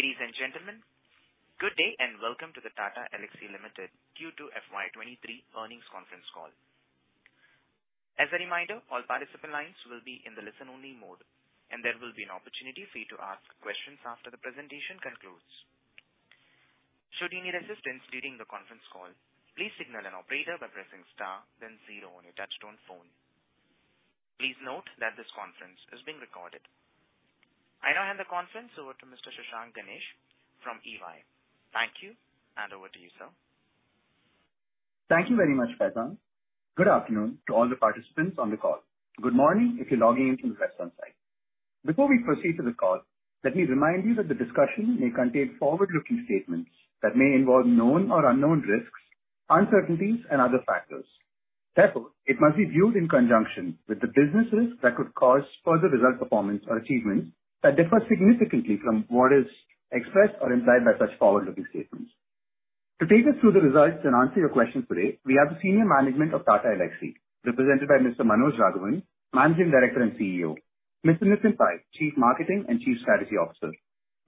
Ladies and gentlemen, good day and welcome to the Tata Elxsi Limited Q2 FY23 earnings conference call. As a reminder, all participant lines will be in the listen-only mode, and there will be an opportunity for you to ask questions after the presentation concludes. Should you need assistance during the conference call, please signal an operator by pressing star then zero on your touchtone phone. Please note that this conference is being recorded. I now hand the conference over to Mr. Shashank Ganesh from EY. Thank you, and over to you, sir. Thank you very much, Faizan. Good afternoon to all the participants on the call. Good morning if you're logging in from the west coast site. Before we proceed to the call, let me remind you that the discussion may contain forward-looking statements that may involve known or unknown risks, uncertainties and other factors. Therefore, it must be viewed in conjunction with the businesses that could cause further result performance or achievements that differ significantly from what is expressed or implied by such forward-looking statements. To take us through the results and answer your questions today, we have the senior management of Tata Elxsi, represented by Mr. Manoj Raghavan, Managing Director and CEO, Mr. Nitin Pai, Chief Marketing and Chief Strategy Officer,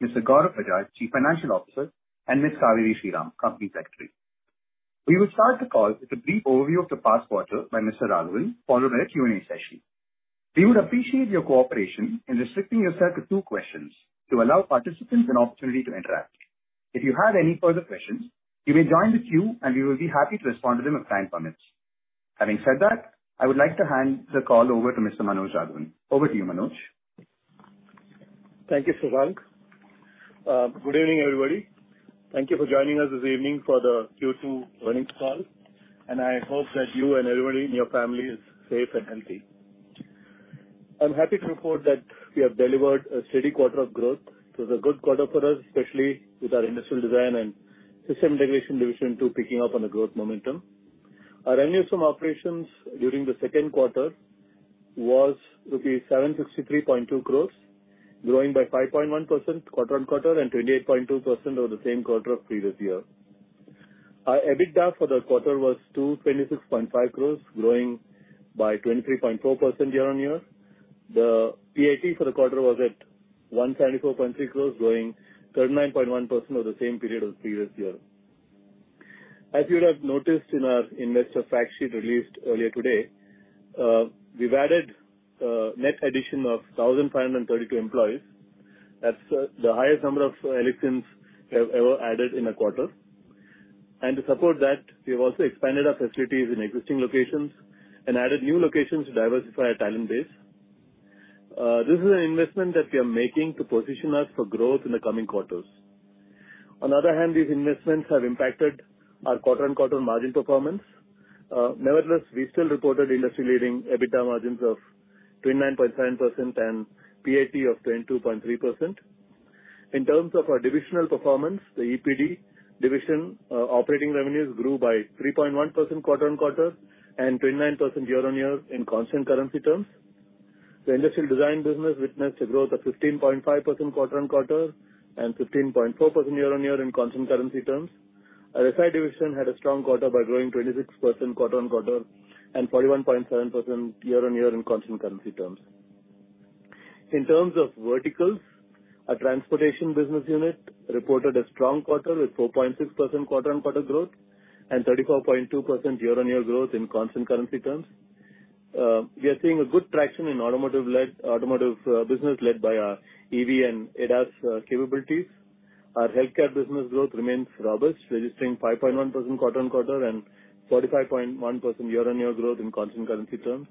Mr. Gaurav Bajaj, Chief Financial Officer, and Ms. Cauveri Sriram, Company Secretary. We will start the call with a brief overview of the past quarter by Mr. Raghavan, followed by a Q&A session. We would appreciate your cooperation in restricting yourself to two questions to allow participants an opportunity to interact. If you have any further questions, you may join the queue, and we will be happy to respond to them if time permits. Having said that, I would like to hand the call over to Mr. Manoj Raghavan. Over to you, Manoj. Thank you, Shashank. Good evening, everybody. Thank you for joining us this evening for the Q2 earnings call. I hope that you and everybody in your family is safe and healthy. I'm happy to report that we have delivered a steady quarter of growth. It was a good quarter for us, especially with our industrial design and system integration division too picking up on the growth momentum. Our revenues from operations during the second quarter was rupees 763.2 crores, growing by 5.1% quarter-on-quarter and 28.2% over the same quarter of previous year. Our EBITDA for the quarter was 226.5 crores, growing by 23.4% year-on-year. The PAT for the quarter was at 174.6 crores, growing 39.1% over the same period of the previous year. As you would have noticed in our investor fact sheet released earlier today, we've added a net addition of 1,532 employees. That's the highest number of Elxians we have ever added in a quarter. To support that, we have also expanded our facilities in existing locations and added new locations to diversify our talent base. This is an investment that we are making to position us for growth in the coming quarters. On the other hand, these investments have impacted our quarter-on-quarter margin performance. Nevertheless, we still reported industry-leading EBITDA margins of 29.7% and PAT of 22.3%. In terms of our divisional performance, the EPD division, operating revenues grew by 3.1% quarter-on-quarter and 29% year-on-year in constant currency terms. The industrial design business witnessed a growth of 15.5% quarter-on-quarter and 15.4% year-on-year in constant currency terms. Our SI division had a strong quarter by growing 26% quarter-on-quarter and 41.7% year-on-year in constant currency terms. In terms of verticals, our transportation business unit reported a strong quarter with 4.6% quarter-on-quarter growth and 34.2% year-on-year growth in constant currency terms. We are seeing a good traction in automotive business led by our EV and ADAS capabilities. Our healthcare business growth remains robust, registering 5.1% quarter-on-quarter and 45.1% year-on-year growth in constant currency terms.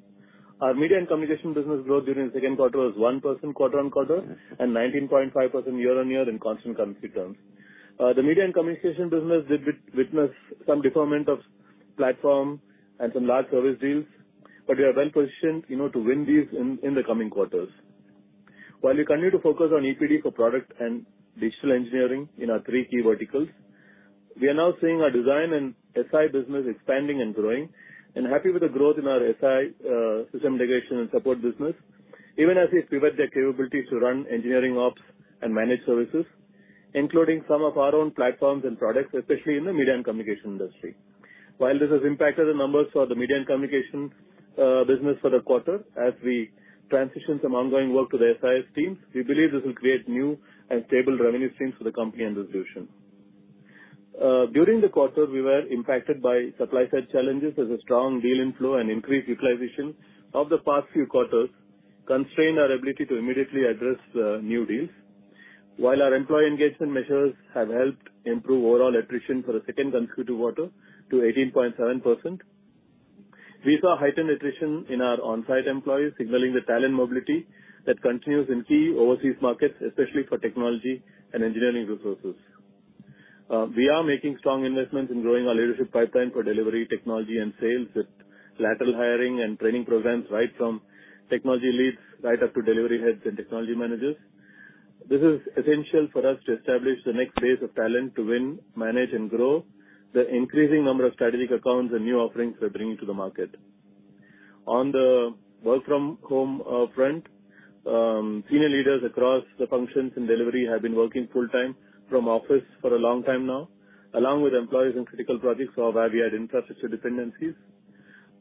Our Media and Communications business growth during the second quarter was 1% quarter-on-quarter and 19.5% year-on-year in constant currency terms. The Media and Communications business did witness some deferment of platform and some large service deals, but we are well positioned, you know, to win these in the coming quarters. While we continue to focus on EPD for product and digital engineering in our three key verticals, we are now seeing our design and SI business expanding and growing and happy with the growth in our SI, system integration and support business, even as we pivot their capabilities to run engineering ops and managed services, including some of our own platforms and products, especially in the media and communication industry. While this has impacted the numbers for the media and communication business for the quarter as we transition some ongoing work to the SIS teams, we believe this will create new and stable revenue streams for the company and this division. During the quarter, we were impacted by supply side challenges as a strong deal inflow and increased utilization of the past few quarters constrained our ability to immediately address new deals. While our employee engagement measures have helped improve overall attrition for a second consecutive quarter to 18.7%, we saw heightened attrition in our on-site employees, signaling the talent mobility that continues in key overseas markets, especially for technology and engineering resources. We are making strong investments in growing our leadership pipeline for delivery, technology and sales with lateral hiring and training programs right from technology leads right up to delivery heads and technology managers. This is essential for us to establish the next phase of talent to win, manage, and grow the increasing number of strategic accounts and new offerings we are bringing to the market. On the work from home front, senior leaders across the functions and delivery have been working full time from office for a long time now, along with employees in critical projects or where we had infrastructure dependencies.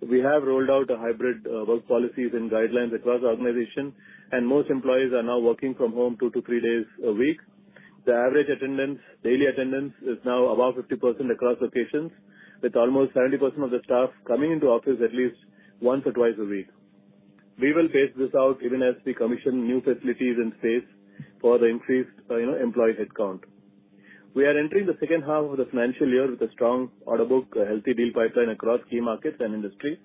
We have rolled out a hybrid work policies and guidelines across the organization, and most employees are now working from home two to three days a week. The average attendance, daily attendance is now above 50% across locations, with almost 70% of the staff coming into office at least once or twice a week. We will phase this out even as we commission new facilities and space for the increased, you know, employee headcount. We are entering the second half of the financial year with a strong order book, a healthy deal pipeline across key markets and industries,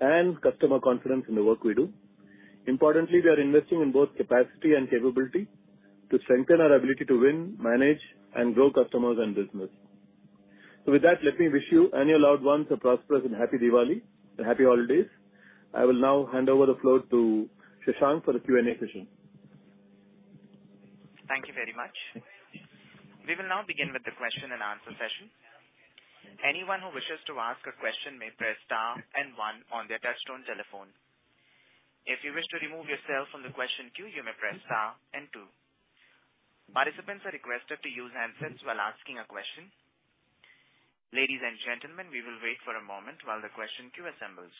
and customer confidence in the work we do. Importantly, we are investing in both capacity and capability to strengthen our ability to win, manage, and grow customers and business. With that, let me wish you and your loved ones a prosperous and happy Diwali and happy holidays. I will now hand over the floor to Shashank Ganesh for the Q&A session. Thank you very much. We will now begin with the question-and-answer session. Anyone who wishes to ask a question may press star and one on their touch-tone telephone. If you wish to remove yourself from the question queue, you may press star and two. Participants are requested to use handsets while asking a question. Ladies and gentlemen, we will wait for a moment while the question queue assembles.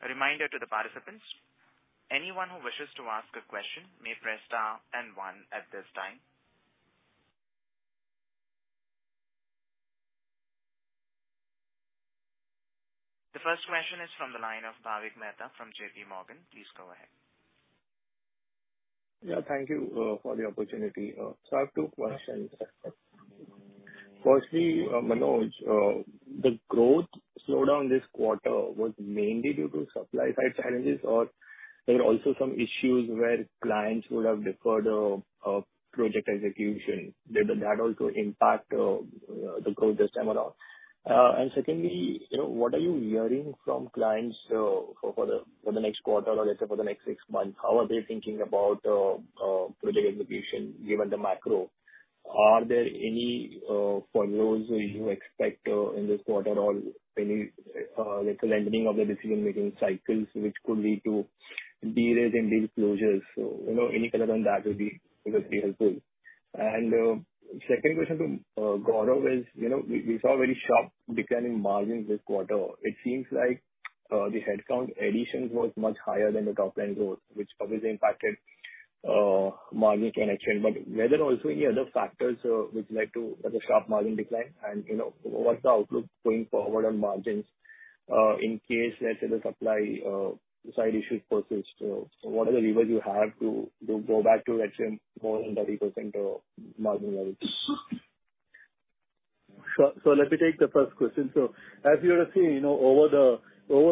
A reminder to the participants, anyone who wishes to ask a question may press star and one at this time. The first question is from the line of Bhavik Mehta from JP Morgan. Please go ahead. Yeah, thank you for the opportunity. So I have two questions. Firstly, Manoj, the growth slowdown this quarter was mainly due to supply-side challenges, or there were also some issues where clients would have deferred project execution. Did that also impact the growth this time around? Secondly, you know, what are you hearing from clients for the next quarter or let's say for the next six months? How are they thinking about project execution given the macro? Are there any furloughs that you expect in this quarter or any let's say lengthening of the decision-making cycles which could lead to delays in deal closures? You know, any color on that would be very helpful. Second question to Gaurav is, you know, we saw a very sharp decline in margins this quarter. It seems like the headcount additions was much higher than the top line growth, which obviously impacted margin contraction. Were there also any other factors which led to such a sharp margin decline? You know, what's the outlook going forward on margins in case, let's say, the supply side issues persist? What are the levers you have to go back to, let's say, more than 30% margin levels? Sure. Let me take the first question. As you would have seen, you know, over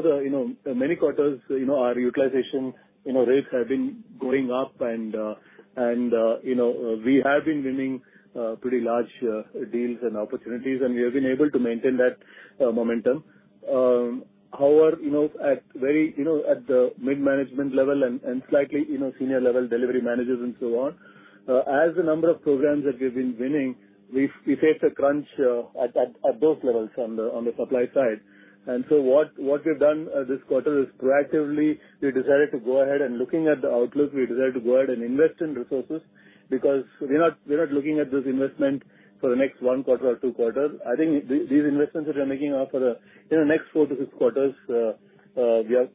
the many quarters, you know, our utilization, you know, rates have been going up and you know, we have been winning pretty large deals and opportunities, and we have been able to maintain that momentum. However, you know, at the mid-management level and slightly senior level delivery managers and so on, as the number of programs that we've been winning, we faced a crunch at those levels on the supply side. What we've done this quarter is proactively we decided to go ahead, and looking at the outlook, we decided to go ahead and invest in resources because we're not looking at this investment for the next one quarter or two quarters. I think these investments that we're making are for the you know next four to six quarters. We are,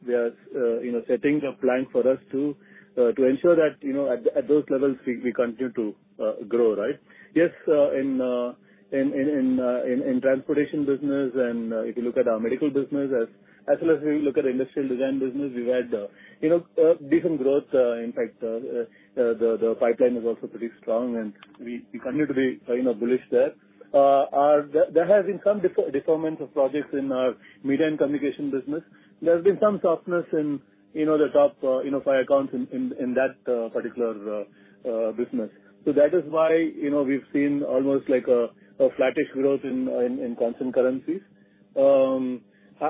you know, setting the plan for us to ensure that, you know, at those levels we continue to grow, right? Yes, in transportation business and if you look at our medical business as well as we look at industrial design business, we've had you know decent growth. In fact, the pipeline is also pretty strong, and we continue to be, you know, bullish there. There has been some deferment of projects in our Media and Communications business. There's been some softness in, you know, the top, you know, five accounts in that particular business. That is why, you know, we've seen almost like a flattish growth in constant currencies.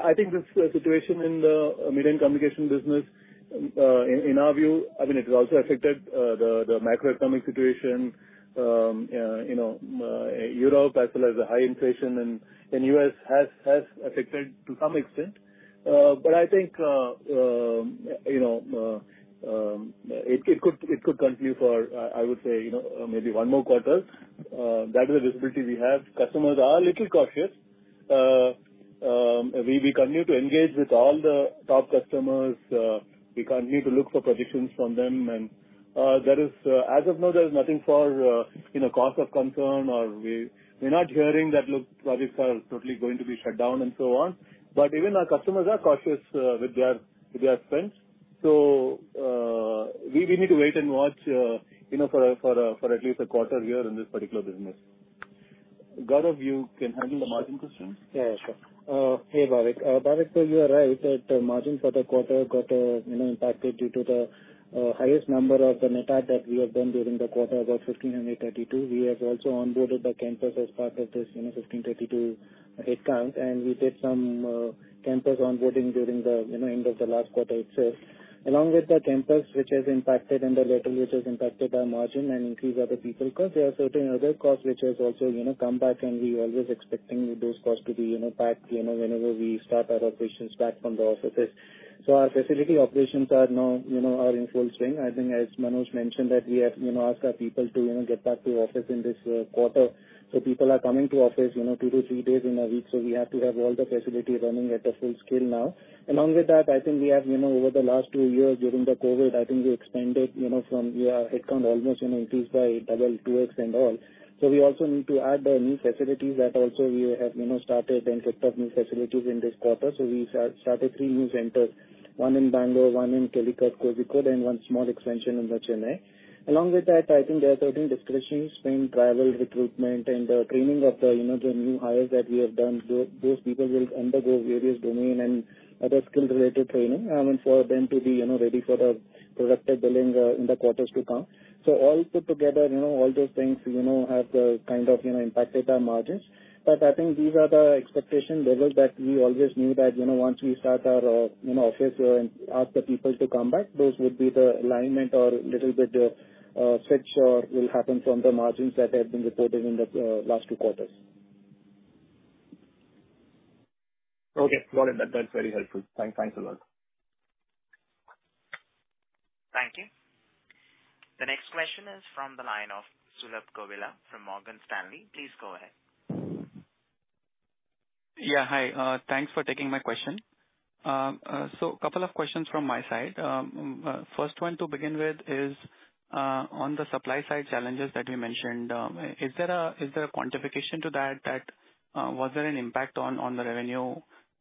I think this situation in the Media and Communications business, in our view, I mean, it has also affected the macroeconomic situation. You know, Europe as well as the high inflation in U.S. has affected to some extent. I think, you know, it could continue for, I would say, you know, maybe one more quarter. That is the visibility we have. Customers are a little cautious. We continue to engage with all the top customers. We continue to look for projections from them and, as of now, there is nothing for, you know, cause for concern or we're not hearing that, "Look, projects are totally going to be shut down," and so on. Even our customers are cautious with their spends. We need to wait and watch, you know, for at least a quarter here in this particular business. Gaurav, you can handle the margin questions. Yeah, sure. Hey, Bhavik, so you are right that margin for the quarter got, you know, impacted due to the highest number of the net add that we have done during the quarter, about 1,532. We have also onboarded the campus as part of this, you know, 1,532 headcount, and we did some campus onboarding during the, you know, end of the last quarter itself. Along with the campus, which has impacted and the lateral, which has impacted our margin and increase other people cost. There are certain other costs which has also, you know, come back, and we always expecting those costs to be, you know, back, you know, whenever we start our operations back from the offices. Our facility operations are now, you know, in full swing. I think as Manoj mentioned that we have, you know, asked our people to, you know, get back to office in this quarter. People are coming to office, you know, two to three days in a week. We have to have all the facility running at a full scale now. Along with that, I think we have, you know, over the last two years during the COVID, I think we expanded, you know, from our headcount almost, you know increased by double, 2X and all. We also need to add the new facilities that also we have, you know started and set up new facilities in this quarter. We started three new centers, one in Bangalore, one in Calicut, Kozhikode, and one small expansion in the Chennai. Along with that, I think there are certain discretionary spend, travel, recruitment and the training of the new hires that we have done. Those people will undergo various domain and other skill-related training for them to be, you know, ready for the productive billing in the quarters to come. All put together, you know, all those things you know have kind of, you know, impacted our margins. I think these are the expectation levels that we always knew that, you know, once we start our, you know, office and ask the people to come back, those would be the alignment or little bit switch or will happen from the margins that have been reported in the last two quarters. Okay. Got it. That's very helpful. Thanks a lot. Thank you. The next question is from the line of Sulabh Govila from Morgan Stanley. Please go ahead. Yeah, hi. Thanks for taking my question. Couple of questions from my side. First one to begin with is on the supply side challenges that you mentioned. Is there a quantification to that? Was there an impact on the revenue?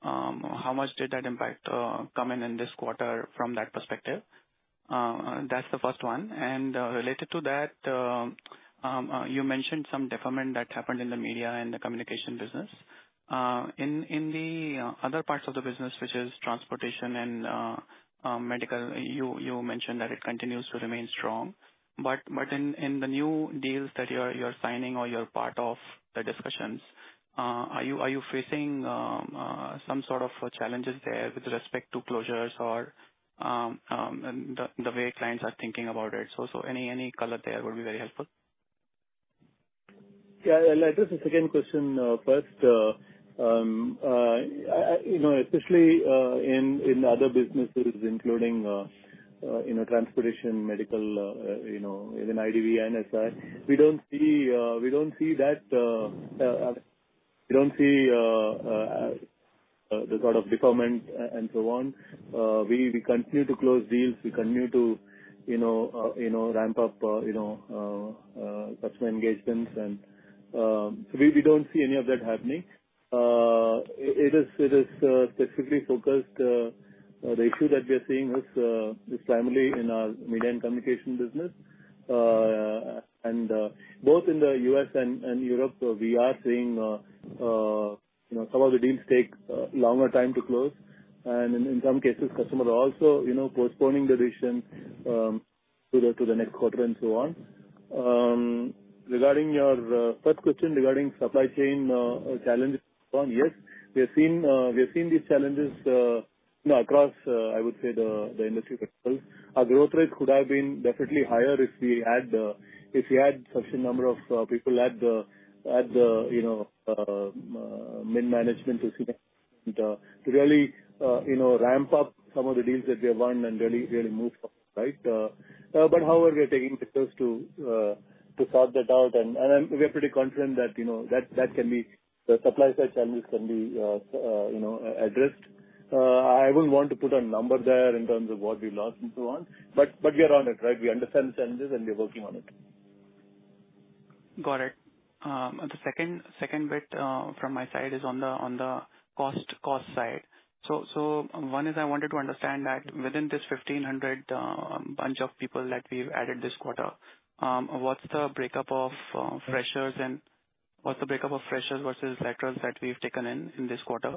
How much did that impact come in in this quarter from that perspective? That's the first one. Related to that, you mentioned some deferment that happened in the media and the communication business. In the other parts of the business, which is transportation and medical, you mentioned that it continues to remain strong. In the new deals that you're signing or you're part of the discussions, are you facing some sort of challenges there with respect to closures or the way clients are thinking about it? Any color there would be very helpful. Yeah. I'll address the second question first. You know, especially in other businesses, including you know, transportation, medical, you know, even IDV, and SI, we don't see that. We don't see the sort of deferment and so on. We continue to close deals. We continue to you know ramp up you know customer engagements. We don't see any of that happening. It is specifically focused. The issue that we are seeing is primarily in our Media and Communications business. Both in the U.S. and Europe, we are seeing, you know, some of the deals take longer time to close, and in some cases, customers are also, you know, postponing the decision to the next quarter and so on. Regarding your first question regarding supply chain challenges from, yes, we have seen these challenges, you know, across, I would say the industry itself. Our growth rate could have been definitely higher if we had sufficient number of people at the, you know, mid-management to really, you know, ramp up some of the deals that we have won and really move forward. Right? We are taking measures to sort that out. We are pretty confident that the supply side challenges can be addressed. I wouldn't want to put a number there in terms of what we lost and so on, but we are on it, right? We understand the challenges, and we're working on it. Got it. The second bit from my side is on the cost side. One is I wanted to understand that within this 1,500 bunch of people that we've added this quarter, what's the breakup of freshers versus laterals that we've taken in this quarter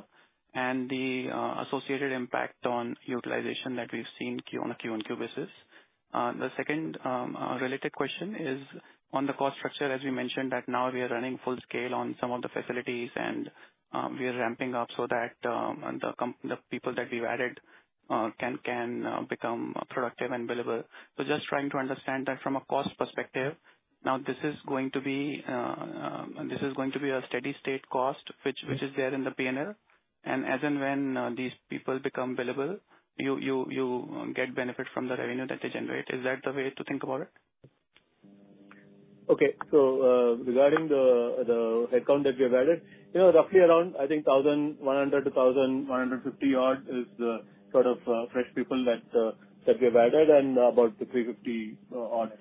and the associated impact on utilization that we've seen Q-on-Q basis. The second related question is on the cost structure. As you mentioned that now we are running full scale on some of the facilities and we are ramping up so that the people that we've added can become productive and billable. Just trying to understand that from a cost perspective. Now, this is going to be a steady state cost which is there in the P&L. As and when these people become billable, you get benefit from the revenue that they generate. Is that the way to think about it? Okay, regarding the headcount that we have added, you know, roughly around, I think 1,100-1,150 odd is the sort of fresh people that we have added and about 350 odd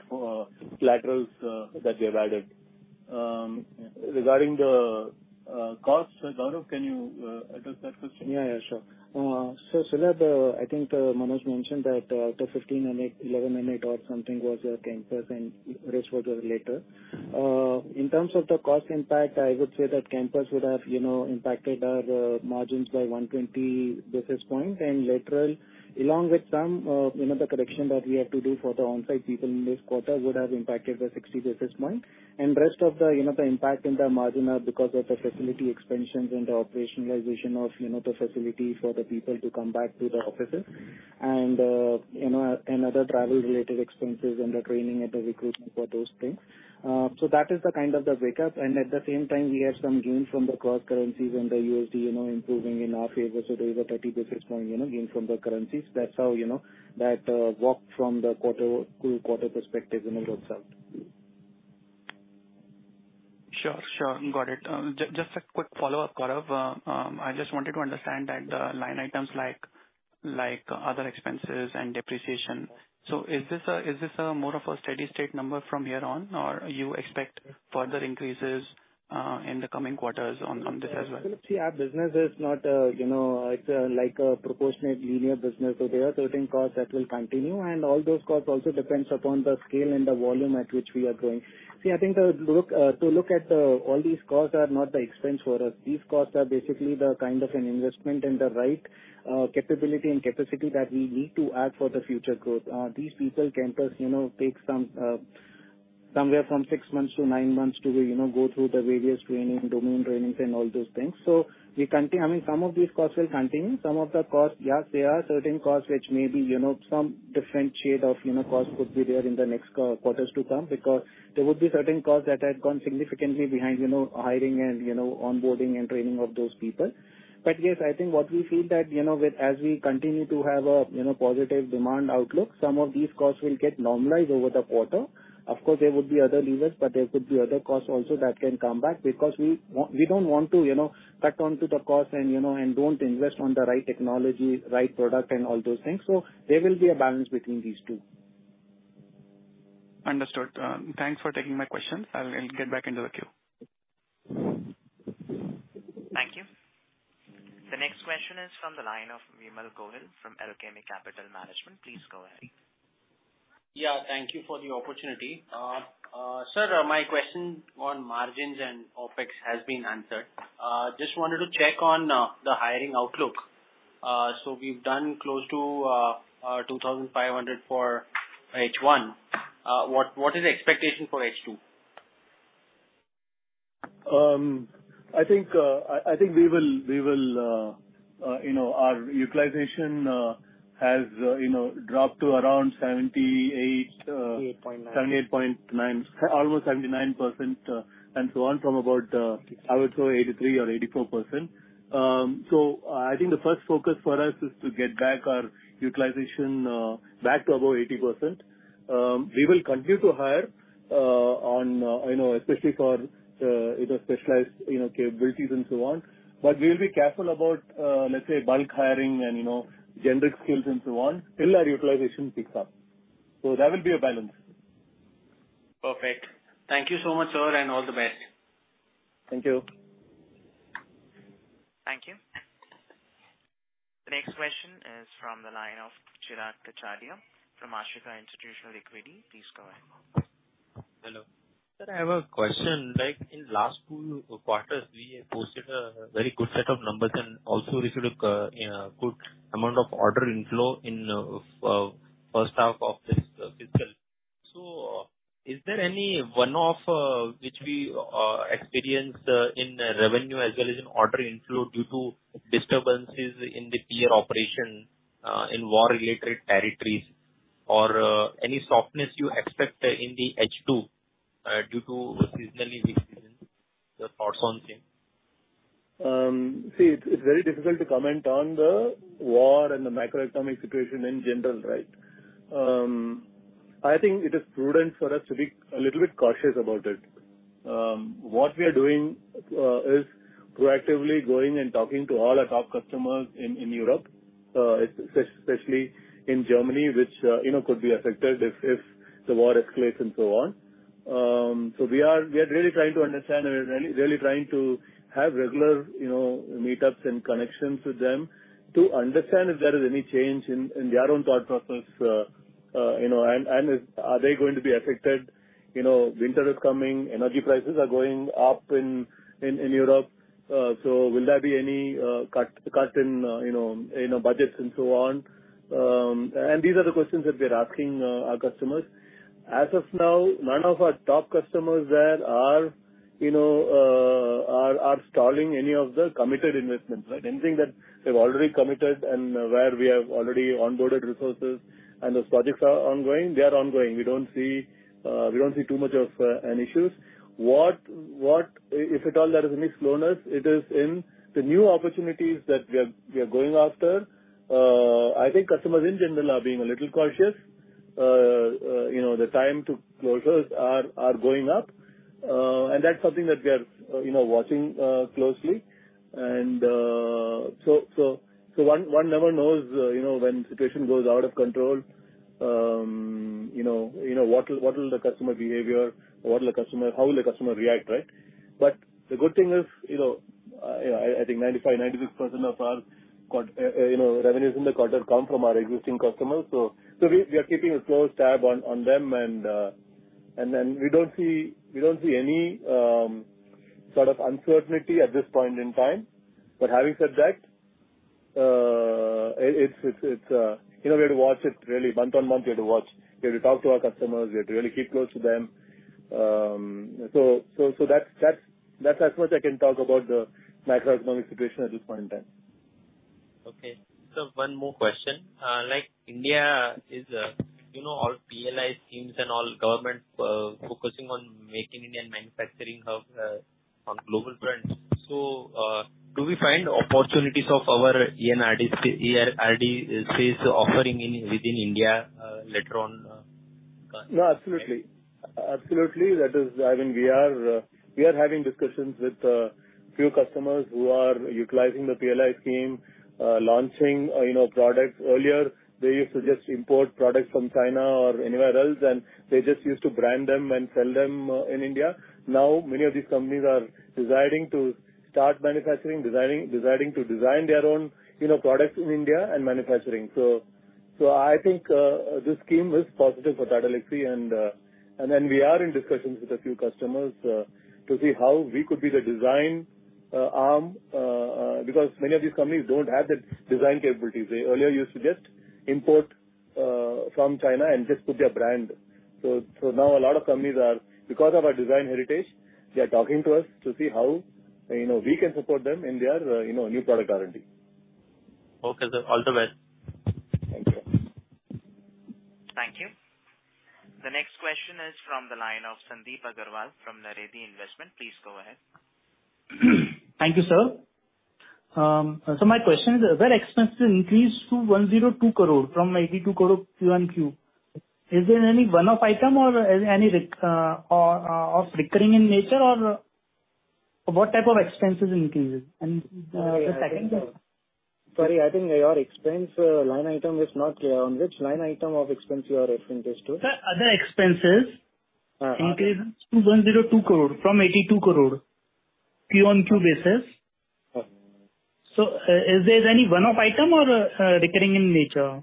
laterals that we have added. Regarding costs. Gaurav, can you address that question? Yeah, sure. So Sulabh, I think Manoj mentioned that out of 15 million or 11 million or something was campus and rest was lateral. In terms of the cost impact, I would say that campus would have you know impacted our margins by 120 basis points. Lateral, along with some you know the correction that we have to do for the on-site people in this quarter would have impacted the 60 basis point. Rest of the you know the impact in the margin are because of the facility expansions and the operationalization of you know the facility for the people to come back to the offices. You know and other travel-related expenses and the training and the recruitment for those things. So that is the kind of the breakup. At the same time, we have some gain from the cross currencies and the USD, you know, improving in our favor. There is a 30 basis point, you know, gain from the currencies. That's how, you know, that work from the quarter-to-quarter perspective, you know, itself. Sure. Got it. Just a quick follow-up, Gaurav. I just wanted to understand the line items like other expenses and depreciation. Is this more of a steady-state number from here on, or you expect further increases in the coming quarters on this as well? See, our business is not like a proportionate linear business. There are certain costs that will continue, and all those costs also depends upon the scale and the volume at which we are growing. See, I think all these costs are not the expense for us. These costs are basically the kind of an investment and the right capability and capacity that we need to add for the future growth. These people campus take somewhere from six to nine months to go through the various training, domain trainings and all those things. We continue. I mean, some of these costs will continue. Some of the costs, yes, there are certain costs which may be, you know, some different shade of, you know, cost could be there in the next couple of quarters to come because there would be certain costs that had gone significantly behind, you know, hiring and, you know, onboarding and training of those people. Yes, I think what we feel that, you know, with as we continue to have a, you know, positive demand outlook, some of these costs will get normalized over the quarter. Of course, there would be other levers, but there could be other costs also that can come back because we don't want to, you know, cut down on the cost and, you know, and don't invest in the right technology, right product and all those things. There will be a balance between these two. Understood. Thanks for taking my questions. I'll get back into the queue. Thank you. The next question is from the line of Vimal Gohil from Edelweiss Asset Management. Please go ahead. Yeah, thank you for the opportunity. Sir, my question on margins and OpEx has been answered. Just wanted to check on the hiring outlook. We've done close to 2,500 for H1. What is the expectation for H2? I think we will, you know, our utilization has, you know, dropped to around 78%. 78.9. 78.9, almost 79%, and so on from about, I would say 83 or 84%. I think the first focus for us is to get back our utilization back to above 80%. We will continue to hire, you know, especially for either specialized, you know, capabilities and so on. But we'll be careful about, let's say, bulk hiring and, you know, generic skills and so on, till our utilization picks up. There will be a balance. Perfect. Thank you so much, sir, and all the best. Thank you. Thank you. The next question is from the line of Chirag Kacharia from Ashika Institutional Equity. Please go ahead. Hello. Sir, I have a question. Like in last two quarters, we have posted a very good set of numbers and also received a good amount of order inflow in first half of this fiscal. Is there any one-off which we experienced in revenue as well as in order inflow due to disturbances in the peer operation in war-related territories or any softness you expect in the H2 due to seasonally weak season? Your thoughts on same. See, it's very difficult to comment on the war and the macroeconomic situation in general, right? I think it is prudent for us to be a little bit cautious about it. What we are doing is proactively going and talking to all our top customers in Europe, especially in Germany, which you know could be affected if the war escalates and so on. We are really trying to understand and really trying to have regular, you know, meetups and connections with them to understand if there is any change in their own thought process, you know, and if they are going to be affected? You know, winter is coming, energy prices are going up in Europe, so will there be any cut in, you know, in budgets and so on? These are the questions that we're asking our customers. As of now, none of our top customers there are stalling any of the committed investments, right? Anything that they've already committed and where we have already onboarded resources and those projects are ongoing, they are ongoing. We don't see too much of an issues. If at all there is any slowness, it is in the new opportunities that we are going after. I think customers in general are being a little cautious. You know, the time to closures are going up, and that's something that we are, you know, watching closely. One never knows, you know, when situation goes out of control, what will the customer behavior, how will the customer react, right? The good thing is, you know, I think 95% of our revenues in the quarter come from our existing customers. We are keeping a close tab on them and then we don't see any sort of uncertainty at this point in time. Having said that, it's, you know, we have to watch it really month-on-month we have to watch. We have to talk to our customers. We have to really keep close to them. That's as much as I can talk about the macroeconomic situation at this point in time. Okay. One more question. Like India is, you know, all PLI schemes and all government focusing on making India manufacturing hub on global trends. Do we find opportunities of our ER&D space offering within India later on? No, absolutely. That is, I mean, we are having discussions with few customers who are utilizing the PLI scheme, launching, you know, products. Earlier they used to just import products from China or anywhere else, and they just used to brand them and sell them in India. Now many of these companies are desiring to start manufacturing, desiring to design their own, you know, products in India and manufacturing. I think this scheme is positive for Tata Elxsi and then we are in discussions with a few customers to see how we could be the design arm because many of these companies don't have the design capabilities. They earlier used to just import from China and just put their brand. now a lot of companies are, because of our design heritage, they are talking to us to see how, you know, we can support them in their, you know, new product R&D. Okay, sir. All the best. Thank you. Thank you. The next question is from the line of Sandeep Aggarwal from Naredi Investments. Please go ahead. Thank you, sir. My question is, where expenses increased to 102 crore from 82 crore Q on Q? Is there any one-off item or any recurring in nature or what type of expenses increases? The second- Sorry, I think your expense, line item is not clear. On which line item of expense you are referring this to? The other expenses increased to 102 crore from 82 crore Q-on-Q basis. Okay. Is there any one-off item or recurring in nature?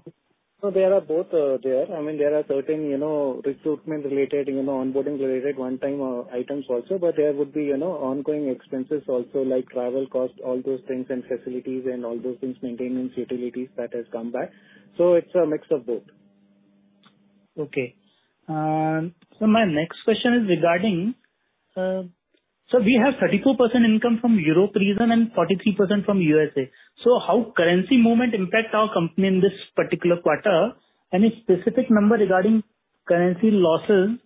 No, there are both. I mean, there are certain, you know, recruitment related, you know, onboarding related one-time items also. But there would be, you know, ongoing expenses also like travel cost, all those things and facilities and all those things, maintenance, utilities that has come back. It's a mix of both. My next question is regarding so we have 32% income from Europe region and 43% from USA. How currency movement impact our company in this particular quarter? Any specific number regarding currency losses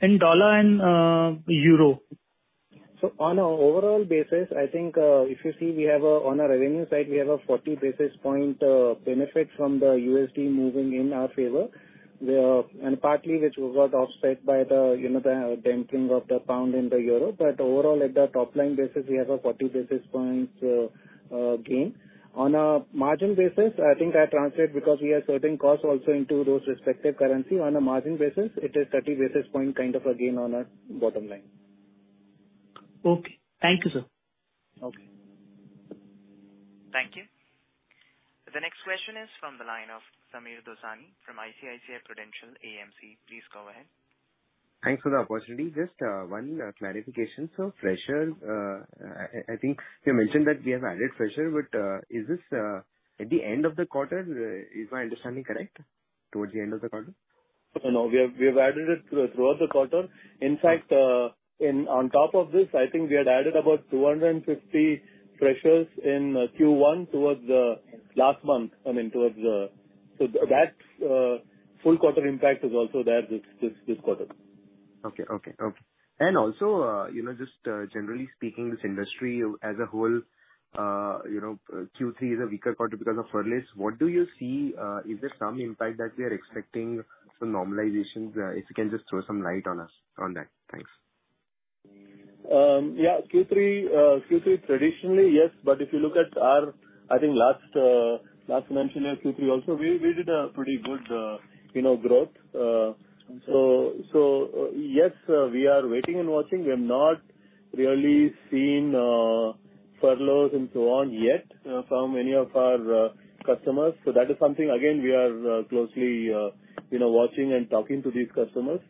in dollar and euro? On an overall basis, I think, if you see, we have, on a revenue side, a 40 basis point benefit from the USD moving in our favor, and partly which was offset by, you know, the dampening of the pound and the euro. Overall, at the top line basis, we have a 40 basis points gain. On a margin basis, I think it translates because we have certain costs also into those respective currency. On a margin basis, it is 30 basis point kind of a gain on a bottom line. Okay. Thank you, sir. Okay. Thank you. The next question is from the line of Sameer Dosani from ICICI Prudential AMC. Please go ahead. Thanks for the opportunity. Just one clarification, sir. Freshers, I think you mentioned that we have added freshers, but is this at the end of the quarter? Is my understanding correct? Towards the end of the quarter? No, no. We have added it throughout the quarter. In fact, on top of this, I think we had added about 250 freshers in Q1 towards the last month. I mean, that full quarter impact is also there this quarter. Okay. Also, you know, just generally speaking, this industry as a whole, you know, Q3 is a weaker quarter because of furloughs. What do you see, is there some impact that we are expecting some normalization? If you can just throw some light on us on that. Thanks. Yeah. Q3 traditionally, yes. If you look at our, I think last financial year Q3 also, we did a pretty good, you know, growth. Yes, we are waiting and watching. We have not really seen furloughs and so on yet from any of our customers. That is something again, we are closely, you know, watching and talking to these customers.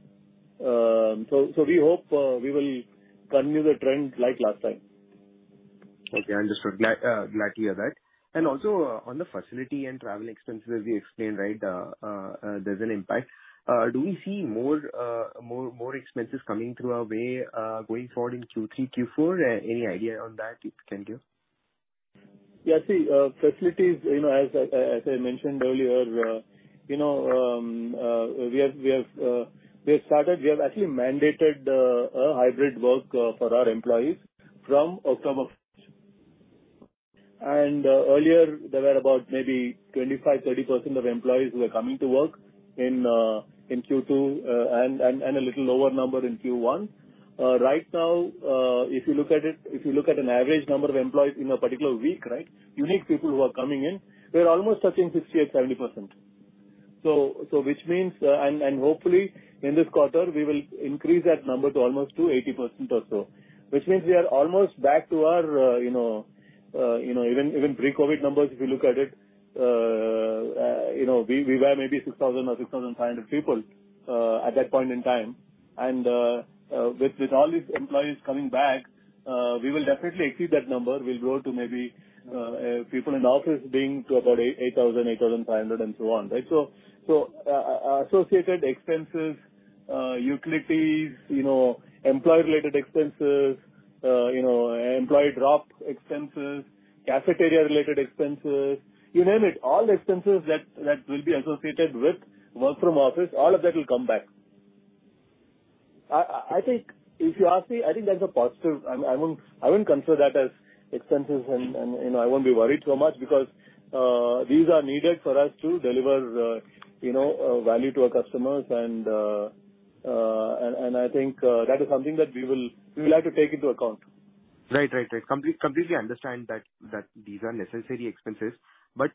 We hope we will continue the trend like last time. Okay. Understood. Glad to hear that. Also on the facility and travel expenses, as you explained, right, there's an impact. Do we see more expenses coming through our way, going forward in Q3, Q4? Any idea on that you can give? Yeah. See, facilities, you know, as I mentioned earlier, you know, we have actually mandated a hybrid work for our employees from October first. Earlier there were about maybe 25-30% of employees who were coming to work in Q2, and a little lower number in Q1. Right now, if you look at an average number of employees in a particular week, right, unique people who are coming in, we are almost touching 68-70%. which means hopefully in this quarter we will increase that number to almost 80% or so, which means we are almost back to our you know even pre-COVID numbers, if you look at it. we were maybe 6,000 or 6,500 people at that point in time. with all these employees coming back, we will definitely exceed that number. We'll grow to maybe people in the office being to about 8,000-8,500 and so on, right? associated expenses, utilities, you know, employee related expenses, you know, employee drop expenses, cafeteria related expenses, you name it. All the expenses that will be associated with work from office, all of that will come back. I think if you ask me, I think that's a positive. I wouldn't consider that as expenses and, you know, I won't be worried so much because these are needed for us to deliver, you know, value to our customers. I think that is something that we will have to take into account. Right. Completely understand that these are necessary expenses. But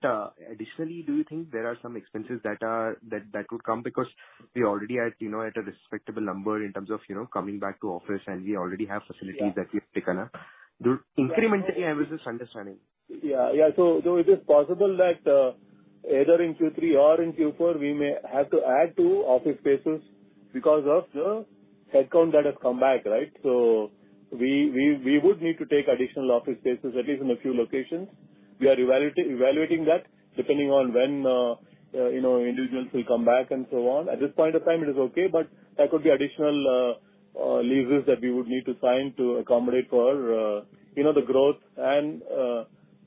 additionally, do you think there are some expenses that would come because we already at, you know, at a respectable number in terms of, you know, coming back to office and we already have facilities that we've taken up. Do incrementally I was just understanding. It is possible that either in Q3 or in Q4 we may have to add to office spaces because of the headcount that has come back, right? We would need to take additional office spaces, at least in a few locations. We are evaluating that depending on when you know individuals will come back and so on. At this point of time it is okay, but there could be additional leases that we would need to sign to accommodate for you know the growth and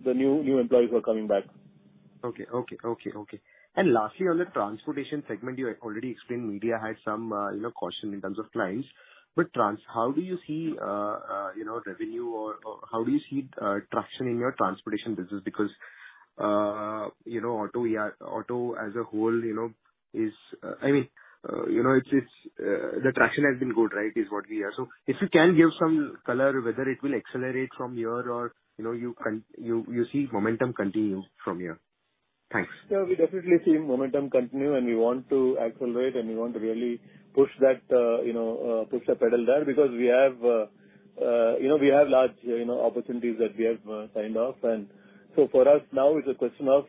the new employees who are coming back. Okay. Lastly, on the transportation segment, you already explained media has some, you know, caution in terms of clients. How do you see, you know, revenue or how do you see traction in your transportation business? Because, you know, auto, yeah, auto as a whole, you know, is, I mean, you know, it's the traction has been good, right? Is what we hear. So if you can give some color, whether it will accelerate from here or, you know, you see momentum continue from here. Thanks. Yeah, we definitely see momentum continue, and we want to accelerate, and we want to really push that, you know, push the pedal down because we have, you know, large opportunities that we have signed off. For us now it's a question of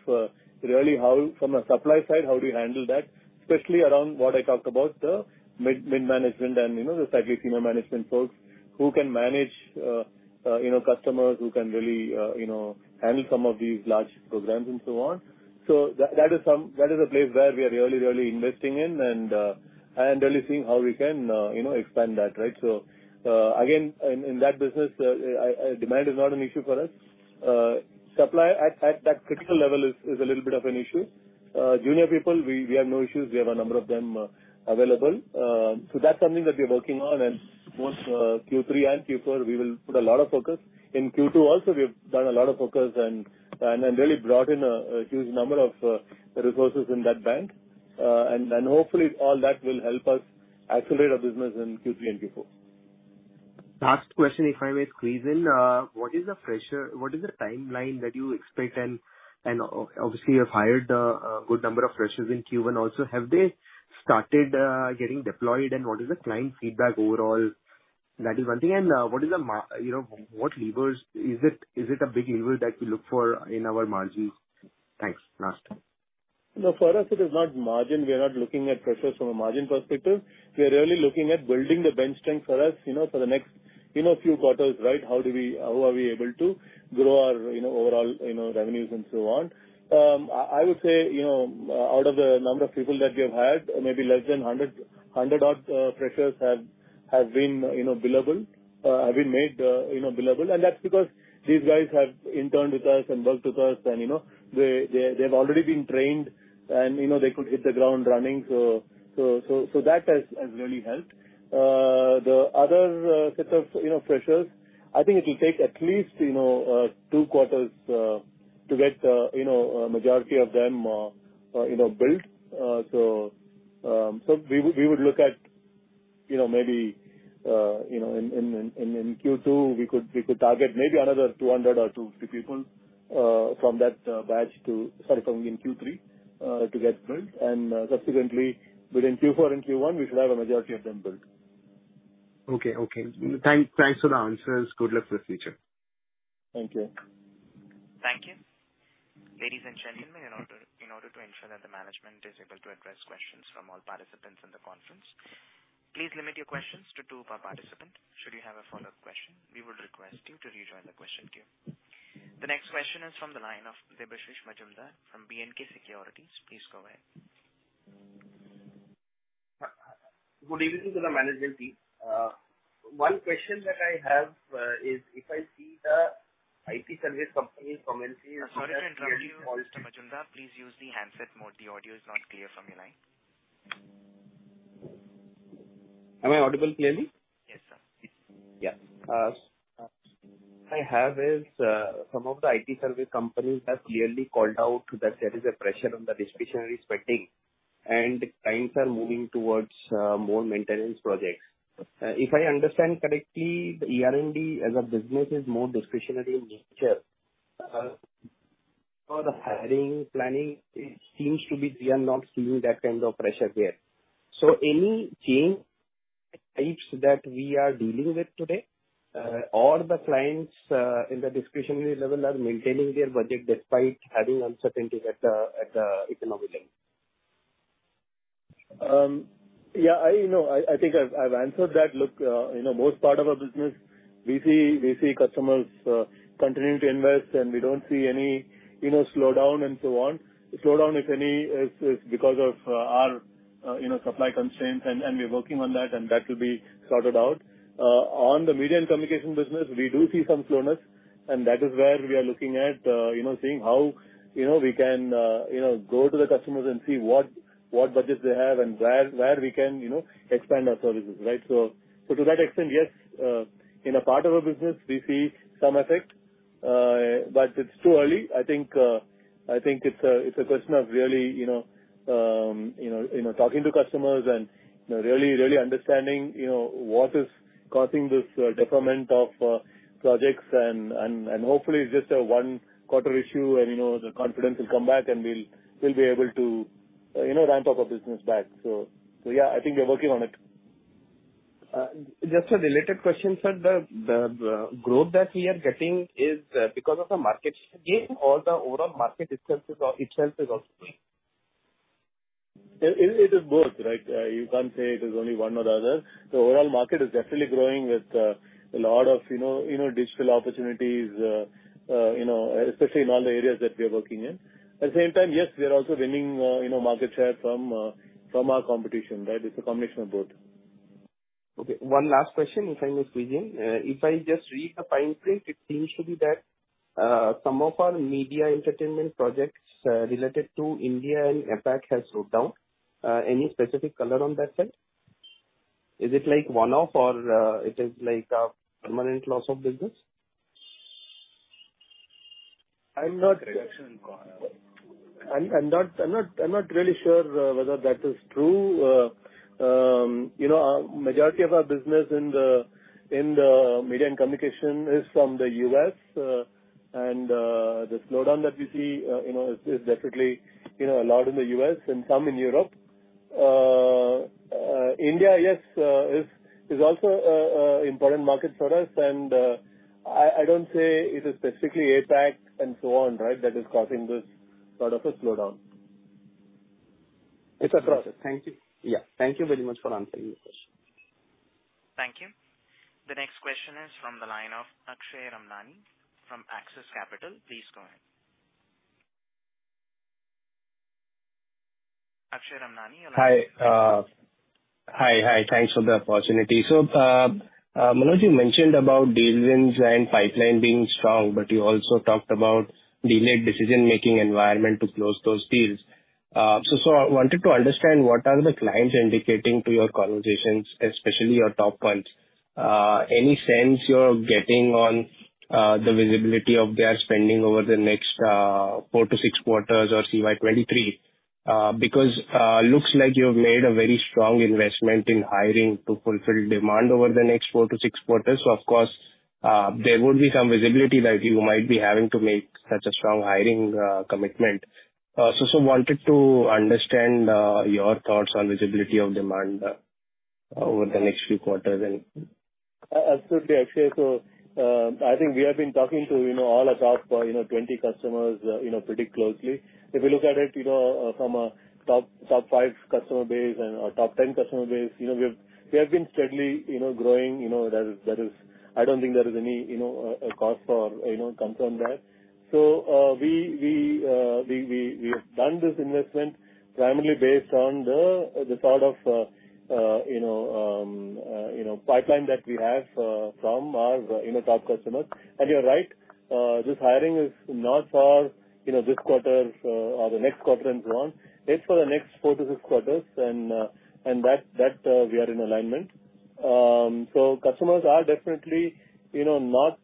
really how from a supply side, how do you handle that, especially around what I talked about, the mid-management and, you know, the senior management folks who can manage, you know, customers who can really, you know, handle some of these large programs and so on. That is a place where we are really investing in and really seeing how we can, you know, expand that, right? Again, in that business, demand is not an issue for us. Supply at that critical level is a little bit of an issue. Junior people, we have no issues. We have a number of them available. That's something that we're working on. Both Q3 and Q4, we will put a lot of focus. In Q2 also we have done a lot of focus and really brought in a huge number of resources in that bench. Hopefully all that will help us accelerate our business in Q3 and Q4. Last question, if I may squeeze in. What is the timeline that you expect? Obviously you've hired a good number of freshers in Q1 also. Have they started getting deployed, and what is the client feedback overall? That is one thing. You know, what levers? Is it a big lever that we look for in our margins? Thanks. Last. No, for us it is not margin. We are not looking at freshers from a margin perspective. We are really looking at building the bench strength for us, you know, for the next, you know, few quarters, right? How are we able to grow our, you know, overall, you know, revenues and so on. I would say, you know, out of the number of people that we have hired, maybe less than 100 odd freshers have been made, you know, billable. That's because these guys have interned with us and worked with us and, you know, they've already been trained and, you know, they could hit the ground running. So that has really helped. The other set of, you know, freshers, I think it'll take at least, you know, two quarters to get a majority of them built. So we would look at, you know, maybe in Q2, we could target maybe another 200 or 250 people from that batch. Sorry, in Q3 to get built. Subsequently within Q4 and Q1, we should have a majority of them built. Okay. Thanks for the answers. Good luck for the future. Thank you. Thank you. Ladies and gentlemen, in order to ensure that the management is able to address questions from all participants in the conference, please limit your questions to two per participant. Should you have a follow-up question, we would request you to rejoin the question queue. The next question is from the line of Debashish Majumdar from BNK Securities. Please go ahead. Good evening to the management team. One question that I have is if I see the IT service company from NC- Sorry to interrupt you, Mr. Majumdar. Please use the handset mode. The audio is not clear from your line. Am I audible clearly? Yes, sir. Yeah. Some of the IT service companies have clearly called out that there is a pressure on the discretionary spending and clients are moving towards more maintenance projects. If I understand correctly, the ER&D as a business is more discretionary in nature. For the hiring planning, it seems to be we are not seeing that kind of pressure there. Any client types that we are dealing with today or the clients in the discretionary level are maintaining their budget despite having uncertainties at the economic level. Yeah, I know. I think I've answered that. Look, you know, most part of our business we see customers continuing to invest, and we don't see any, you know, slowdown and so on. The slowdown, if any, is because of our, you know, supply constraints and we're working on that and that will be sorted out. On the media and communication business, we do see some slowness and that is where we are looking at, you know, seeing how, you know, we can, you know, go to the customers and see what budgets they have and where we can, you know, expand our services, right? To that extent, yes, in a part of our business we see some effect. But it's too early. I think it's a question of really, you know, you know, talking to customers and, you know, really understanding, you know, what is causing this deferment of projects and hopefully it's just a one-quarter issue and, you know, the confidence will come back and we'll be able to, you know, ramp up our business back. Yeah, I think we are working on it. Just a related question, sir. The growth that we are getting is because of the market share gain or the overall market itself is up? It is both, right? You can't say it is only one or the other. The overall market is definitely growing with a lot of you know digital opportunities you know especially in all the areas that we are working in. At the same time, yes, we are also winning you know market share from our competition, right? It's a combination of both. Okay. One last question, if I may squeeze in. If I just read the fine print, it seems to be that some of our media entertainment projects related to India and APAC has slowed down. Any specific color on that front? Is it like one-off or it is like a permanent loss of business? I'm not- Reduction in call. I'm not really sure whether that is true. You know, our majority of our business in the Media and Communications is from the US, and the slowdown that we see, you know, is definitely, you know, a lot in the US and some in Europe. India, yes, is also a important market for us and I don't say it is specifically APAC and so on, right, that is causing this sort of a slowdown. It's across. Thank you. Yeah, thank you very much for answering the question. Thank you. The next question is from the line of Akshay Ramnani from Axis Capital. Please go ahead. Akshay Ramnani Hi. Thanks for the opportunity. Manoj, you mentioned about deal wins and pipeline being strong, but you also talked about delayed decision-making environment to close those deals. I wanted to understand what are the clients indicating in your conversations, especially your top ones. Any sense you're getting on the visibility of their spending over the next four to six quarters or CY 2023. Because looks like you've made a very strong investment in hiring to fulfill demand over the next four to six quarters. Of course, there would be some visibility that you might be having to make such a strong hiring commitment. I wanted to understand your thoughts on visibility of demand over the next few quarters. Absolutely, Akshay. I think we have been talking to, you know, all our top, you know, 20 customers, you know, pretty closely. If you look at it, you know, from a top five customer base and our top 10 customer base, you know, we have been steadily, you know, growing, you know, there is. I don't think there is any, you know, cause for, you know, concern there. We have done this investment primarily based on the sort of, you know, pipeline that we have, from our, you know, top customers. You're right, this hiring is not for, you know, this quarter or the next quarter and so on. It's for the next four to six quarters and that we are in alignment. Customers are definitely, you know, not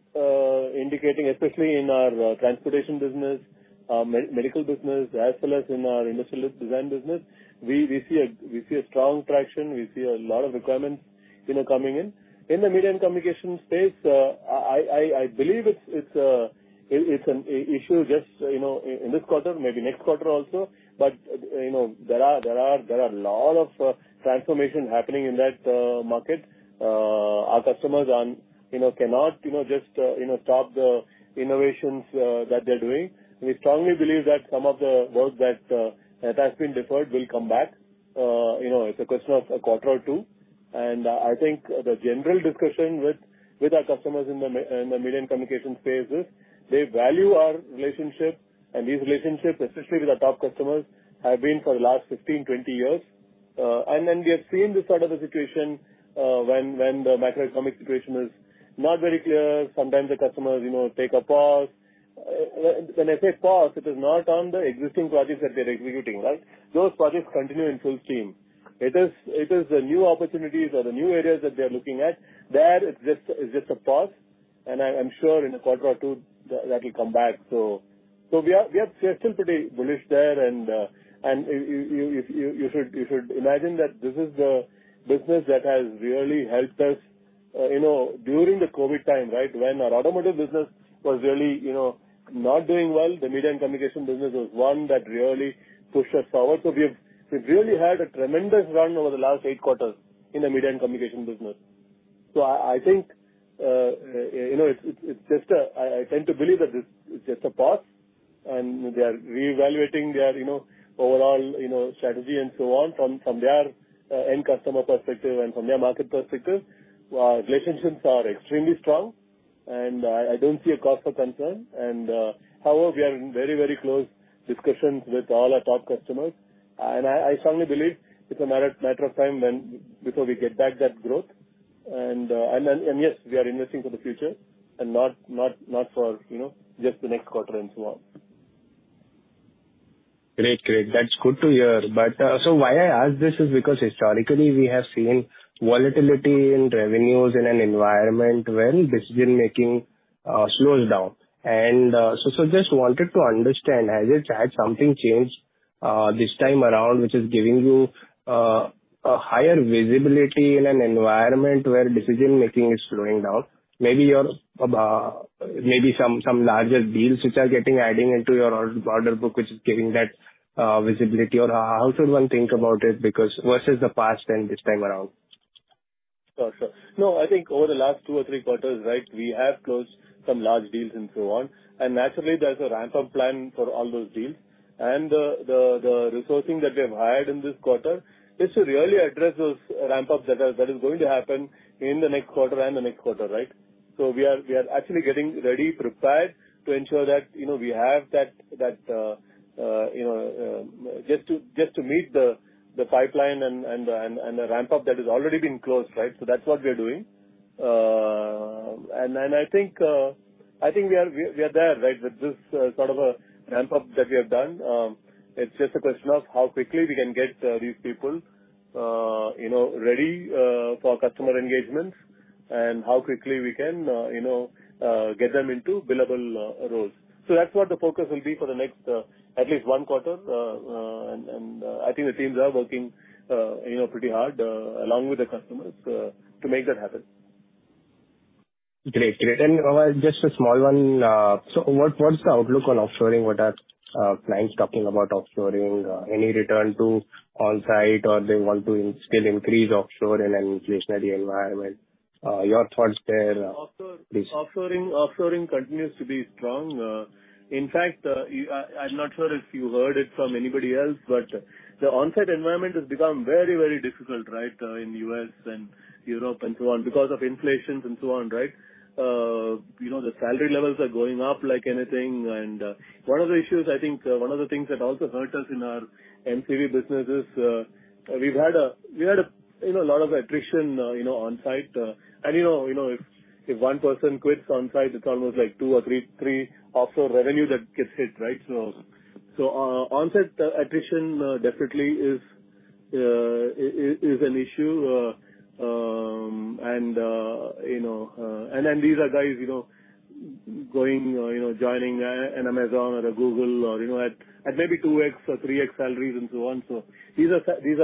indicating, especially in our transportation business, medical business as well as in our industrial design business. We see strong traction. We see a lot of requirements, you know, coming in. In the media and communication space, I believe it's an issue just, you know, in this quarter, maybe next quarter also. You know, there are a lot of transformation happening in that market. Our customers, you know, cannot just, you know, stop the innovations that they're doing. We strongly believe that some of the work that has been deferred will come back. You know, it's a question of a quarter or two. I think the general discussion with our customers in the media and communication space is they value our relationship, and these relationships, especially with our top customers, have been for the last 15, 20 years. Then we have seen this sort of a situation, when the macroeconomic situation is not very clear. Sometimes the customers, you know, take a pause. When I say pause, it is not on the existing projects that they're executing, right? Those projects continue in full steam. It is the new opportunities or the new areas that they're looking at. There it's just a pause, and I'm sure in a quarter or two that'll come back. We are still pretty bullish there and you should imagine that this is the business that has really helped us, you know, during the COVID time, right? When our automotive business was really, you know, not doing well, the media and communication business was one that really pushed us forward. We have really had a tremendous run over the last eight quarters in the media and communication business. I think, you know, it's just a pause and they are reevaluating their, you know, overall strategy and so on from their end customer perspective and from their market perspective. Our relationships are extremely strong and I don't see a cause for concern. However, we are in very, very close discussions with all our top customers. I strongly believe it's a matter of time before we get back that growth. Yes, we are investing for the future and not for, you know, just the next quarter and so on. Great. That's good to hear. Why I ask this is because historically we have seen volatility in revenues in an environment where decision-making slows down. Just wanted to understand, has it had something changed this time around, which is giving you a higher visibility in an environment where decision-making is slowing down? Maybe some larger deals which are getting added into your order book, which is giving that visibility? How should one think about it because versus the past and this time around? Sure. Sure. No, I think over the last two or three quarters, right, we have closed some large deals and so on. Naturally there's a ramp-up plan for all those deals. The resourcing that we have hired in this quarter is to really address those ramp-ups that is going to happen in the next quarter and the next quarter, right? We are actually getting ready, prepared to ensure that, you know, we have that just to meet the pipeline and the ramp-up that has already been closed, right? That's what we are doing. Then I think we are there, right? With this sort of a ramp-up that we have done. It's just a question of how quickly we can get these people, you know, ready for customer engagements and how quickly we can, you know, get them into billable roles. That's what the focus will be for the next, at least one quarter. I think the teams are working, you know, pretty hard along with the customers to make that happen. Great. Just a small one. What's the outlook on offshoring? What are clients talking about offshoring? Any return to on-site or they want to still increase offshore in an inflationary environment? Your thoughts there, please. Offshoring continues to be strong. In fact, I'm not sure if you heard it from anybody else, but the on-site environment has become very, very difficult, right, in U.S. and Europe and so on because of inflation and so on, right? You know, the salary levels are going up like anything. One of the issues, I think, one of the things that also hurt us in our M&C business is, we've had a lot of attrition, you know, on-site. You know, if one person quits on-site, it's almost like two or three offshore revenue that gets hit, right? On-site attrition definitely is an issue. You know, these are guys, you know, going or, you know, joining an Amazon or a Google or, you know, at maybe 2x or 3x salaries and so on. These are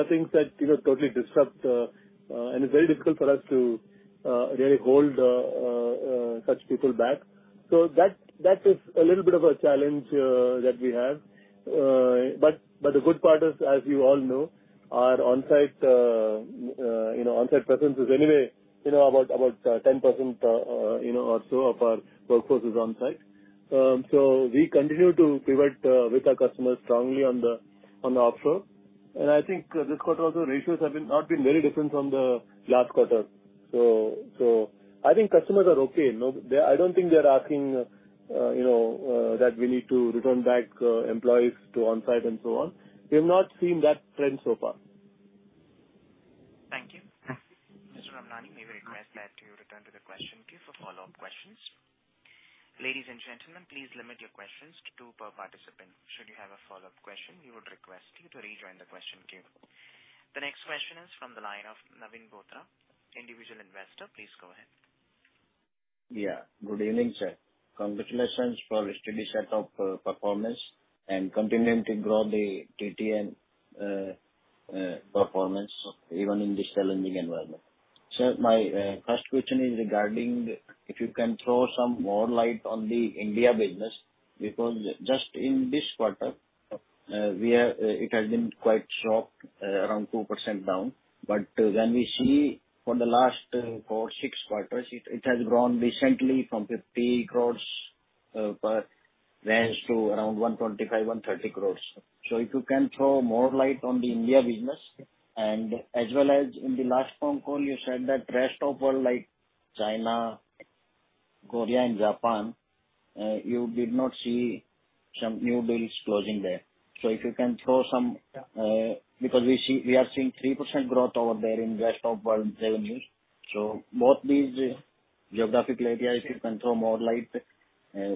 things that, you know, totally disrupt, and it's very difficult for us to really hold such people back. That is a little bit of a challenge that we have. But the good part is, as you all know, our on-site presence is anyway, you know, about 10% or so of our workforce is on-site. We continue to pivot with our customers strongly on the offshore. I think this quarter also ratios have not been very different from the last quarter. I think customers are okay. No, I don't think they're asking, you know, that we need to return back employees to on-site and so on. We have not seen that trend so far. Thank you. Mr. Ramani, may we request that you return to the question queue for follow-up questions. Ladies and gentlemen, please limit your questions to two per participant. Should you have a follow-up question, we would request you to rejoin the question queue. The next question is from the line of Navin Bothra, individual investor. Please go ahead. Yeah. Good evening, sir. Congratulations for a steady set of performance and continuing to grow the TTN performance even in this challenging environment. My first question is regarding if you can throw some more light on the India business, because just in this quarter it has been quite soft around 2% down. When we see for the last four to six quarters, it has grown recently from 50 crores per range to around 125-130 crores. If you can throw more light on the India business and as well as in the last phone call you said that rest of world like China, Korea and Japan you did not see. Some new deals closing there. If you can throw some light because we are seeing 3% growth over there in desktop revenues. Both these geographical areas, if you can throw more light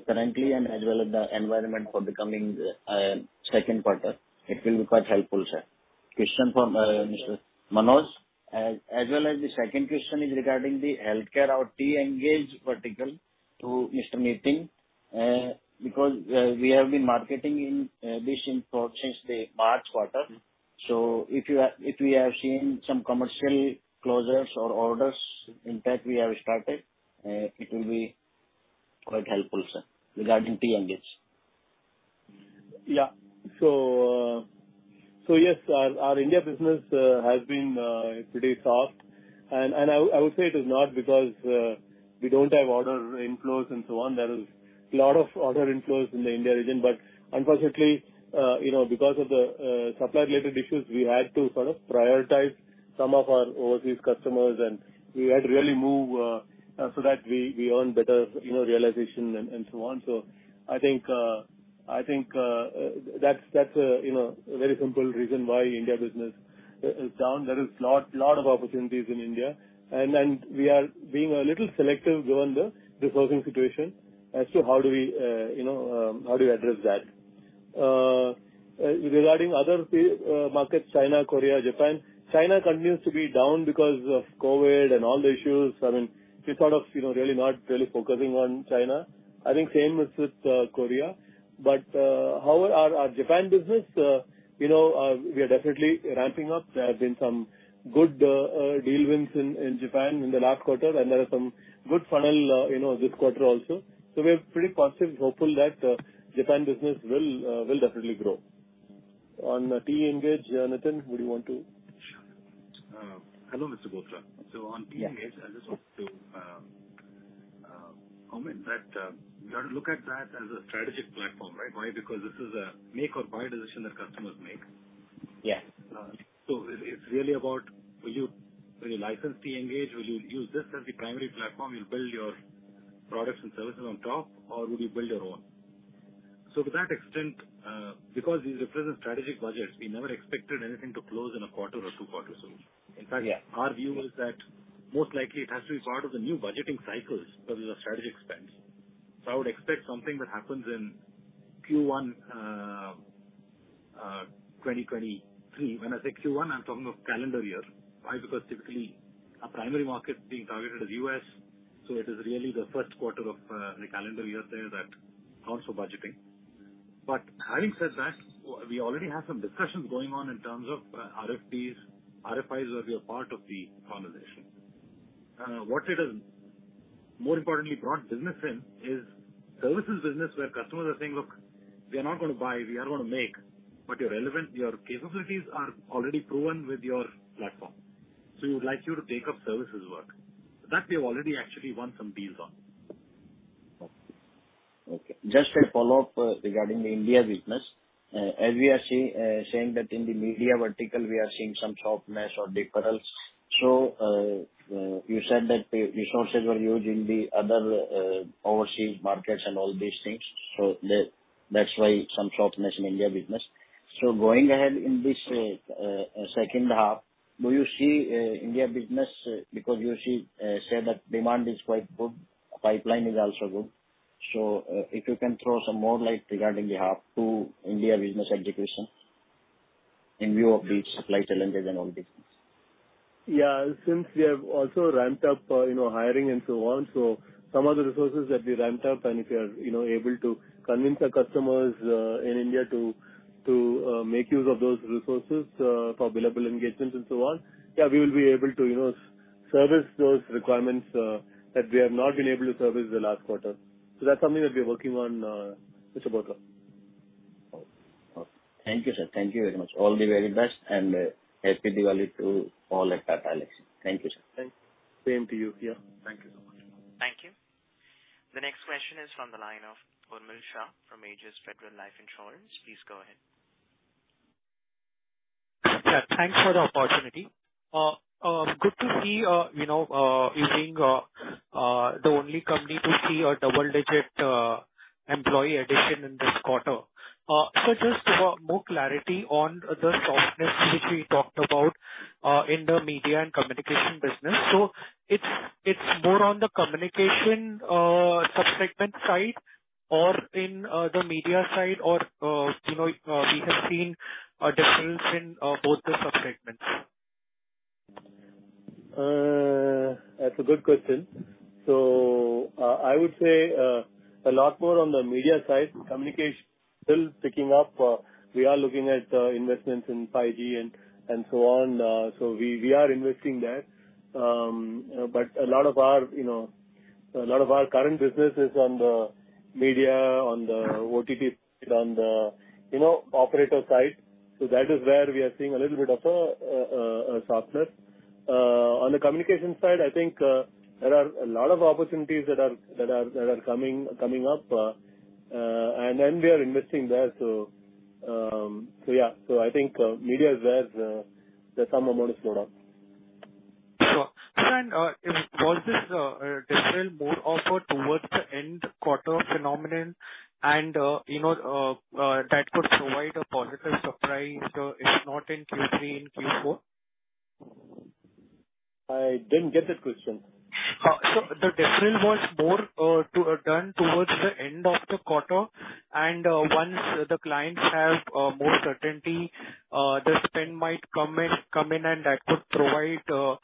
currently and as well as the environment for the coming second quarter, it will be quite helpful, sir. Question for Mr. Manoj Raghavan. As well as the second question is regarding the healthcare, our TEngage vertical to Mr. Nitin Pai. Because we have been marketing in this vertical since the March quarter. If you have seen some commercial closures or orders, in fact, we have started, it will be quite helpful, sir, regarding TEngage. Yeah. So yes, our India business has been pretty soft. I would say it is not because we don't have order inflows and so on. There is a lot of order inflows in the India region. Unfortunately, you know, because of the supply related issues, we had to sort of prioritize some of our overseas customers and we had to really move so that we earn better, you know, realization and so on. I think that's a you know a very simple reason why India business is down. There is a lot of opportunities in India and we are being a little selective given the sourcing situation as to how do we you know address that. Regarding other markets, China, Korea, Japan. China continues to be down because of COVID and all the issues. I mean, we sort of, you know, really not focusing on China. I think same with Korea. Our Japan business, you know, we are definitely ramping up. There have been some good deal wins in Japan in the last quarter, and there are some good funnel this quarter also. We're pretty positive, hopeful that Japan business will definitely grow. On TEngage, Nithin, would you want to? Sure. Hello, Mr. Bothra. On TEngage- Yes. I just want to comment that we ought to look at that as a strategic platform, right? Why? Because this is a make or buy decision that customers make. Yes. It's really about will you license TEngage? Will you use this as the primary platform, you'll build your products and services on top or will you build your own? To that extent, because these represent strategic budgets, we never expected anything to close in a quarter or two quarters soon. Yeah. In fact, our view is that most likely it has to be part of the new budgeting cycles because it's a strategic spend. I would expect something that happens in Q1, 2023. When I say Q1, I'm talking of calendar year. Why? Because typically our primary market being targeted is U.S., so it is really the first quarter of the calendar year there that accounts for budgeting. Having said that, we already have some discussions going on in terms of RFPs, RFIs where we are part of the conversation. What it has more importantly brought business in is services business where customers are saying, "Look, we are not gonna buy, we are gonna make. Your relevant capabilities are already proven with your platform, so we would like you to take up services work. That we have already actually won some deals on. Okay. Just a follow-up regarding the India business. As we are saying that in the media vertical we are seeing some softness or deferrals. You said that the resources were used in the other overseas markets and all these things, so that's why some softness in India business. Going ahead in this second half, do you see India business because you say that demand is quite good, pipeline is also good. If you can throw some more light regarding the half two India business execution in view of the supply challenges and all these things. Yeah. Since we have also ramped up, you know, hiring and so on, some of the resources that we ramped up and if we are, you know, able to convince our customers in India to make use of those resources for billable engagements and so on, yeah, we will be able to, you know, service those requirements that we have not been able to service the last quarter. That's something that we're working on, Mr. Bothra. Okay. Thank you, sir. Thank you very much. All the very best and happy Diwali to all at Tata Elxsi. Thank you, sir. Thank you. Same to you. Yeah. Thank you so much. Thank you. The next question is from the line of Urmil Shah from Ageas Federal Life Insurance. Please go ahead. Yeah, thanks for the opportunity. Good to see you know you being the only company to see a double digit employee addition in this quarter. Just about more clarity on the softness which we talked about in the media and communication business. It's more on the communication sub-segment side or in the media side or you know we have seen a difference in both the sub-segments? That's a good question. I would say a lot more on the media side. Communication still picking up. We are looking at investments in 5G and so on. We are investing there. A lot of our, you know, a lot of our current business is on the media, on the OTT, on the, you know, operator side. That is where we are seeing a little bit of a softness. On the communication side, I think there are a lot of opportunities that are coming up and we are investing there. Yeah. I think media is where some amount is slowed down. Was this different mode also towards the end quarter phenomenon and you know that could provide a positive surprise if not in Q3, in Q4? I didn't get the question. The difference was more to return towards the end of the quarter. Once the clients have more certainty, the spend might come in, and that could provide a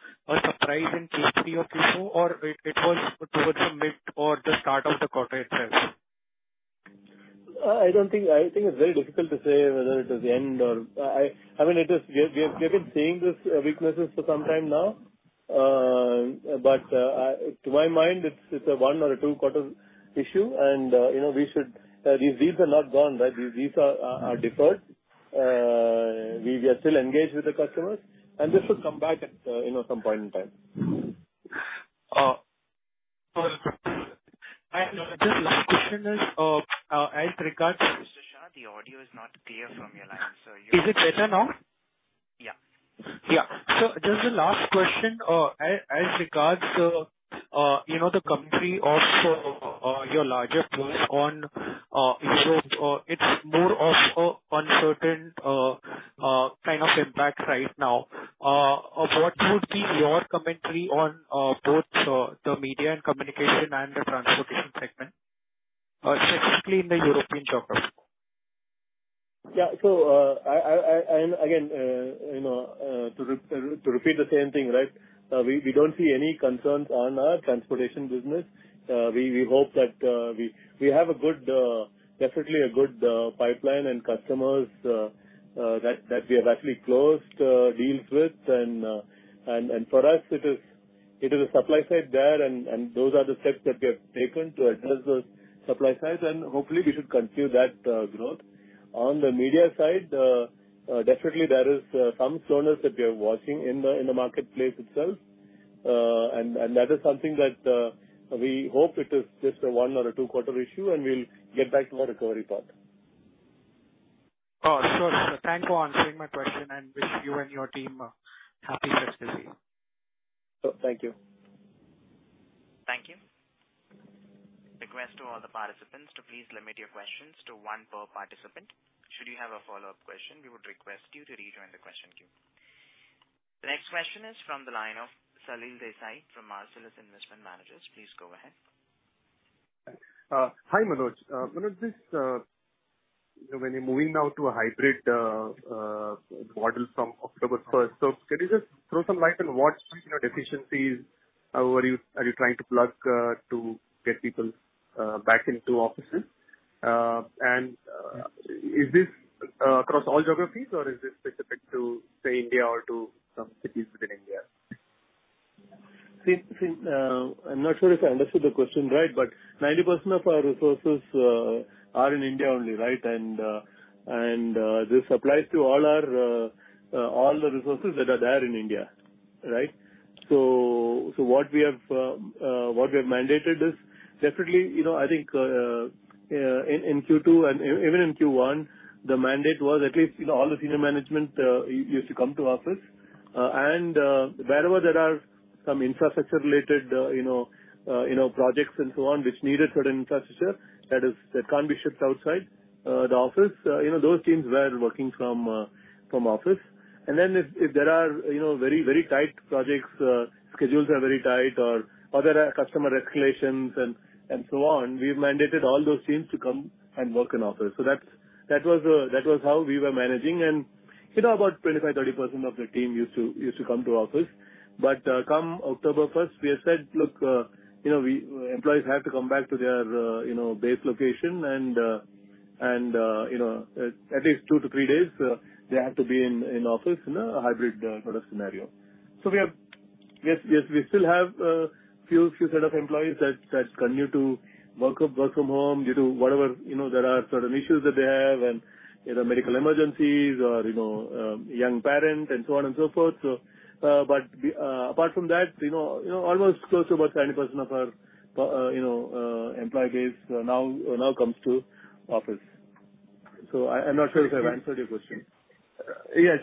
surprise in Q3 or Q4. It was towards the mid or the start of the quarter itself? I think it's very difficult to say whether it is the end. I mean, it is. We have been seeing this weaknesses for some time now. To my mind, it's a one or a two-quarter issue and, you know, these are not gone, right? These are deferred. We are still engaged with the customers, and this will come back at, you know, some point in time. Just last question is, as regards- Mr. Shah, the audio is not clear from your line, so you. Is it better now? Yeah. Yeah. Just the last question, as regards, you know, the commentary of your larger peers on insurance, it's more of an uncertain kind of impact right now. What would be your commentary on both the media and communication and the transportation segment, specifically in the European geography? Yeah. Again, you know, to repeat the same thing, right? We don't see any concerns on our transportation business. We hope that we have definitely a good pipeline and customers that we have actually closed deals with. For us, it is a supply side there and those are the steps that we have taken to address the supply side, and hopefully we should continue that growth. On the media side, definitely there is some slowness that we are watching in the marketplace itself. That is something that we hope it is just a one or a two-quarter issue, and we'll get back to our recovery path. Oh, sure. Thank you for answering my question, and wish you and your team happy festivity. Thank you. Thank you. Request to all the participants to please limit your questions to one per participant. Should you have a follow-up question, we would request you to rejoin the question queue. The next question is from the line of Salil Desai from Marcellus Investment Managers. Please go ahead. Hi, Manoj. Manoj, this, when you're moving now to a hybrid model from October first. Can you just throw some light on what, you know, deficiencies are you trying to plug to get people back into offices? Is this across all geographies or is this specific to, say, India or to some cities within India? Since I'm not sure if I understood the question right, but 90% of our resources are in India only, right? This applies to all our resources that are there in India, right? What we have mandated is definitely, you know, I think, in Q2 and even in Q1, the mandate was at least, you know, all the senior management used to come to office. Wherever there are some infrastructure-related, you know, projects and so on, which needed certain infrastructure that can't be shipped outside the office, you know, those teams were working from office. If there are, you know, very tight projects, schedules are very tight or there are customer escalations and so on, we've mandated all those teams to come and work in office. That was how we were managing. You know, about 25-30% of the team used to come to office. Come October first, we have said, "Look, you know, we employees have to come back to their you know base location and you know at least two to three days they have to be in office in a hybrid sort of scenario." We have... Yes, we still have a few set of employees that continue to work from home due to whatever, you know, there are certain issues that they have and, you know, medical emergencies or, you know, young parent and so on and so forth. But apart from that, you know, almost close to about 90% of our, you know, employee base now comes to office. So I'm not sure if I've answered your question. Yeah.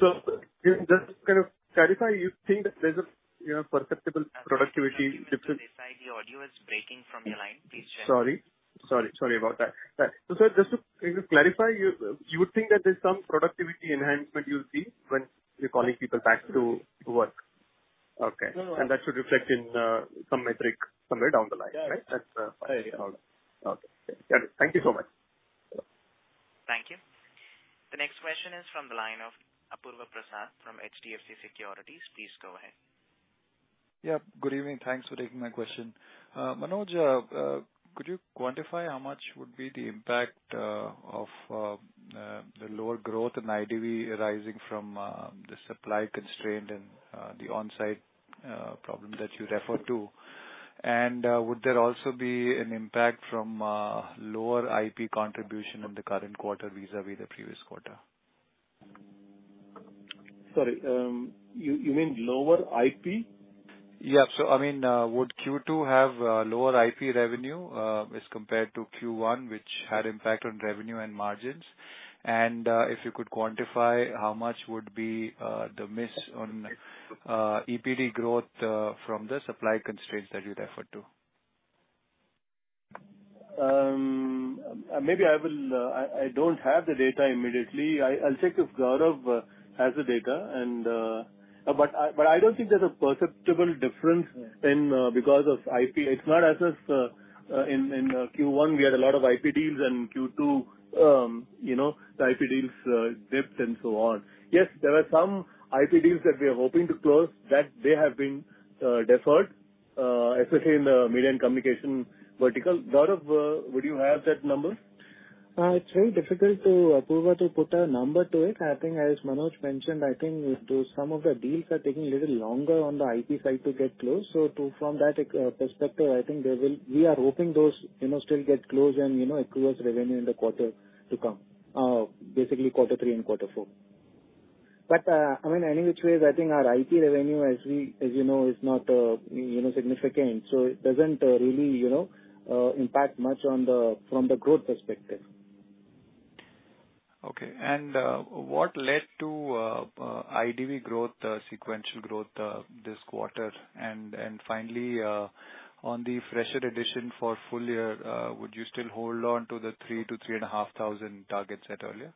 Just to kind of clarify, you think that there's a, you know, perceptible productivity differ- Mr. Shah, the audio is breaking from your line. Please check. Sorry about that. Just to clarify, you would think that there's some productivity enhancement you'll see when you're calling people back to work? Okay. No, no. That should reflect in some metric somewhere down the line, right? Yeah. That's. Very. Okay. Got it. Thank you so much. Thank you. The next question is from the line of Apurva Prasad from HDFC Securities. Please go ahead. Yeah. Good evening. Thanks for taking my question. Manoj, could you quantify how much would be the impact of the lower growth in IDV arising from the supply constraint and the on-site problem that you referred to? Would there also be an impact from lower IP contribution in the current quarter vis-à-vis the previous quarter? Sorry. You mean lower IP? Yeah. I mean, would Q2 have lower IP revenue as compared to Q1, which had impact on revenue and margins? If you could quantify how much would be the miss on EPD growth from the supply constraints that you referred to. Maybe I will. I don't have the data immediately. I'll check if Gaurav has the data. I don't think there's a perceptible difference. Yeah. in, because of IP. It's not as if, in Q1 we had a lot of IP deals and Q2, you know, the IP deals, dipped and so on. Yes, there were some IP deals that we are hoping to close that they have been, deferred, especially in the media and communications vertical. Gaurav, would you have that number? It's very difficult to, Apurva, to put a number to it. I think as Manoj mentioned, I think it was some of the deals are taking a little longer on the IP side to get close. From that perspective, I think there will. We are hoping those, you know, still get closed and, you know, accrues revenue in the quarter to come, basically quarter three and quarter four. But, I mean, any which ways I think our IP revenue as we, as you know, is not, you know, significant, so it doesn't really, you know, impact much on the, from the growth perspective. What led to IDV growth, sequential growth, this quarter? Finally, on the fresher addition for full year, would you still hold on to the 3-3.5 thousand targets set earlier?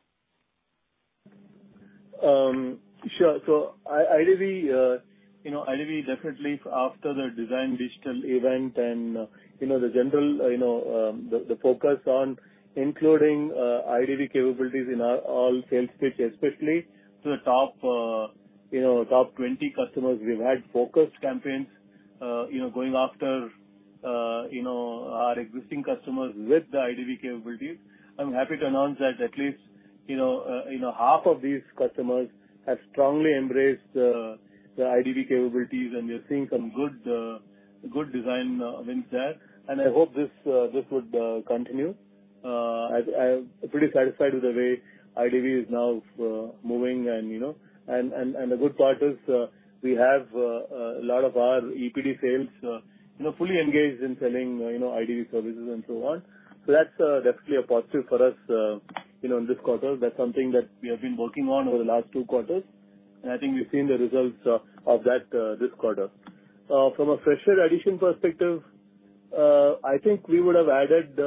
Sure. IDV definitely after the design digital event and, you know, the general focus on including IDV capabilities in our overall sales pitch, especially to the top 20 customers. We've had focused campaigns, you know, going after our existing customers with the IDV capabilities. I'm happy to announce that at least half of these customers have strongly embraced the IDV capabilities, and we are seeing some good design wins there. I hope this would continue. I'm pretty satisfied with the way IDV is now moving and, you know. The good part is, we have a lot of our EPD sales, you know, fully engaged in selling, you know, IDV services and so on. That's definitely a positive for us, you know, in this quarter. That's something that we have been working on over the last two quarters, and I think we've seen the results of that this quarter. From a fresher addition perspective, I think we would have added,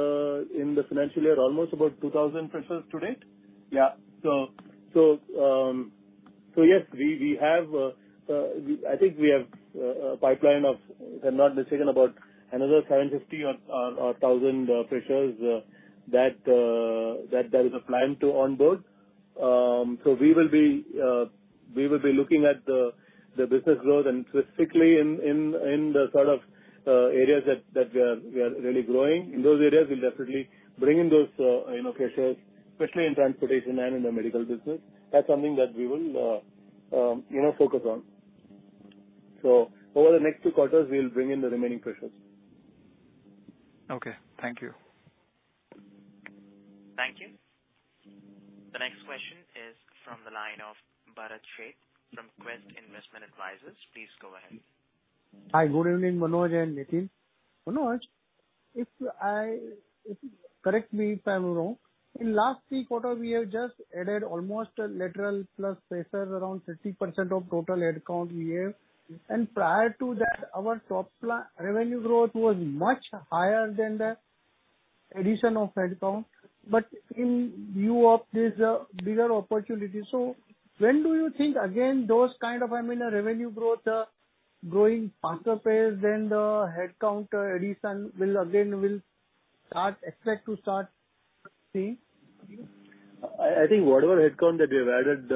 in the financial year, almost about 2,000 freshers to date. Yeah. Yes, we have a pipeline of, if I'm not mistaken, about another 750 or 1,000 freshers that there is a plan to onboard. We will be looking at the business growth and specifically in the sort of areas that we are really growing. In those areas we'll definitely bring in those, you know, freshers, especially in transportation and in the medical business. That's something that we will, you know, focus on. Over the next two quarters we'll bring in the remaining freshers. Okay. Thank you. Thank you. The next question is from the line of Bharat Sheth from Quest Investment Advisors. Please go ahead. Hi. Good evening, Manoj and Nitin. Manoj, correct me if I'm wrong. In last three quarters we have just added almost a lateral plus fresher around 30% of total head count we have. Prior to that, our top line revenue growth was much higher than the addition of head count, but in view of this bigger opportunity. When do you think again, those kind of, I mean, revenue growth growing faster pace than the headcount addition will start, expect to start seeing? I think whatever headcount that we have added,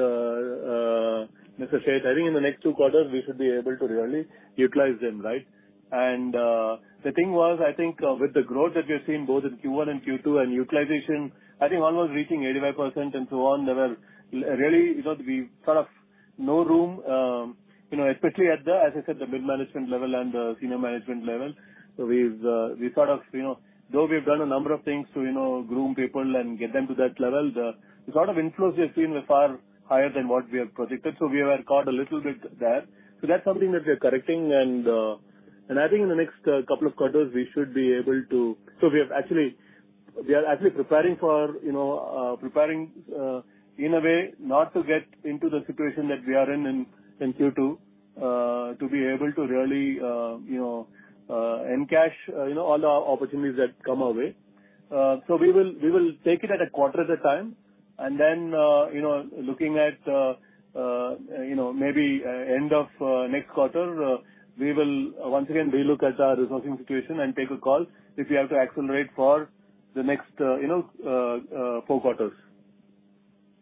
Mr. Sheth, I think in the next two quarters we should be able to really utilize them, right? The thing was, I think with the growth that we've seen both in Q1 and Q2 and utilization, I think one was reaching 85% and so on. There was really, you know, sort of no room, you know, especially at the, as I said, the mid-management level and the senior management level. We've sort of, you know, though we've done a number of things to, you know, groom people and get them to that level, the sort of inflows we have seen were far higher than what we have projected. We were caught a little bit there. That's something that we are correcting and I think in the next couple of quarters, we should be able to. We are actually preparing, you know, in a way not to get into the situation that we are in in Q2 to be able to really, you know, encash, you know, all the opportunities that come our way. We will take it a quarter at a time and then, you know, looking at, you know, maybe end of next quarter, we will once again relook at our resourcing situation and take a call if we have to accelerate for the next, you know, four quarters.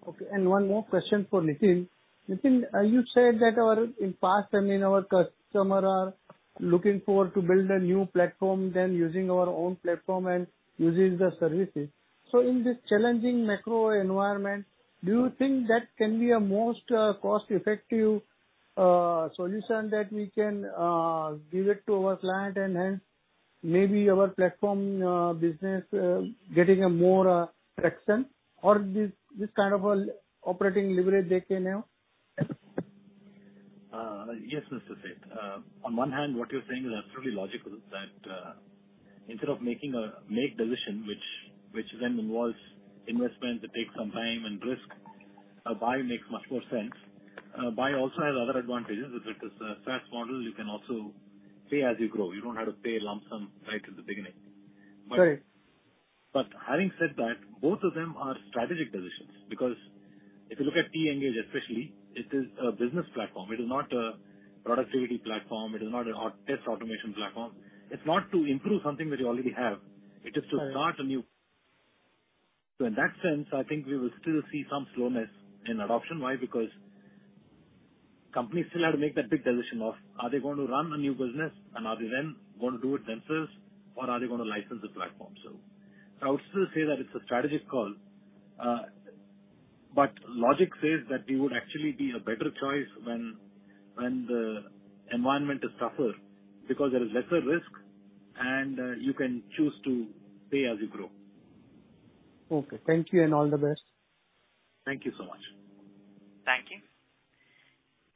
Okay. One more question for Nitin. Nitin, you said that in past, I mean, our customer are looking forward to build a new platform than using our own platform and uses the services. In this challenging macro environment, do you think that can be a most cost-effective solution that we can give it to our client and hence maybe our platform business getting a more traction? Or this kind of a operating leverage they can have? Yes, Mr. Sheth. On one hand, what you're saying is absolutely logical, that, instead of making a make-or-buy decision, which then involves investment that takes some time and risk, a buy makes much more sense. Buy also has other advantages. If it is a SaaS model, you can also pay as you grow. You don't have to pay a lump sum right at the beginning. Right. Having said that, both of them are strategic decisions because if you look at TEngage especially, it is a business platform. It is not a productivity platform. It is not a test automation platform. It's not to improve something that you already have. Right. In that sense, I think we will still see some slowness in adoption. Why? Because companies still have to make that big decision of are they going to run a new business and are they then going to do it themselves or are they gonna license the platform? I would still say that it's a strategic call. Logic says that we would actually be a better choice when the environment is tougher because there is lesser risk and you can choose to pay as you grow. Okay. Thank you and all the best. Thank you so much. Thank you.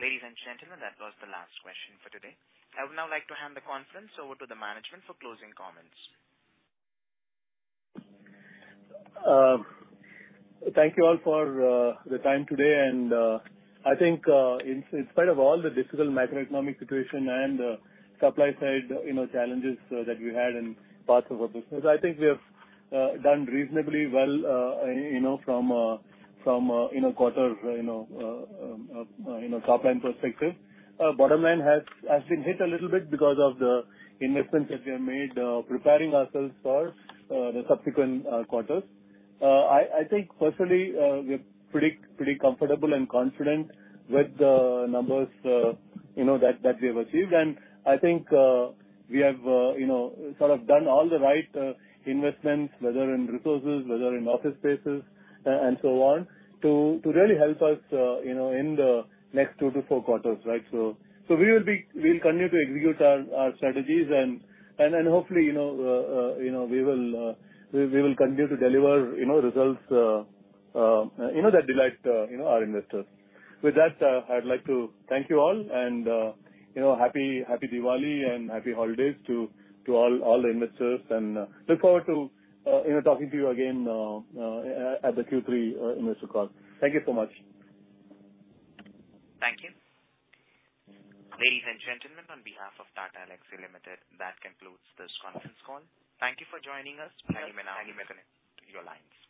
Ladies and gentlemen, that was the last question for today. I would now like to hand the conference over to the management for closing comments. Thank you all for the time today and, I think, in spite of all the difficult macroeconomic situation and supply-side, you know, challenges that we had in parts of our business, I think we have done reasonably well, you know, from a quarterly, you know, top-line perspective. Bottom-line has been hit a little bit because of the investments that we have made, preparing ourselves for the subsequent quarters. I think personally, we're pretty comfortable and confident with the numbers, you know, that we have achieved. I think we have you know sort of done all the right investments whether in resources whether in office spaces and so on to really help us you know in the next two to four quarters right? We will continue to execute our strategies and then hopefully you know we will continue to deliver you know results that delight you know our investors. With that I'd like to thank you all and you know happy Diwali and happy holidays to all the investors and look forward to you know talking to you again at the Q3 investor call. Thank you so much. Thank you. Ladies and gentlemen, on behalf of Tata Elxsi Limited, that concludes this conference call. Thank you for joining us. You may now disconnect your lines.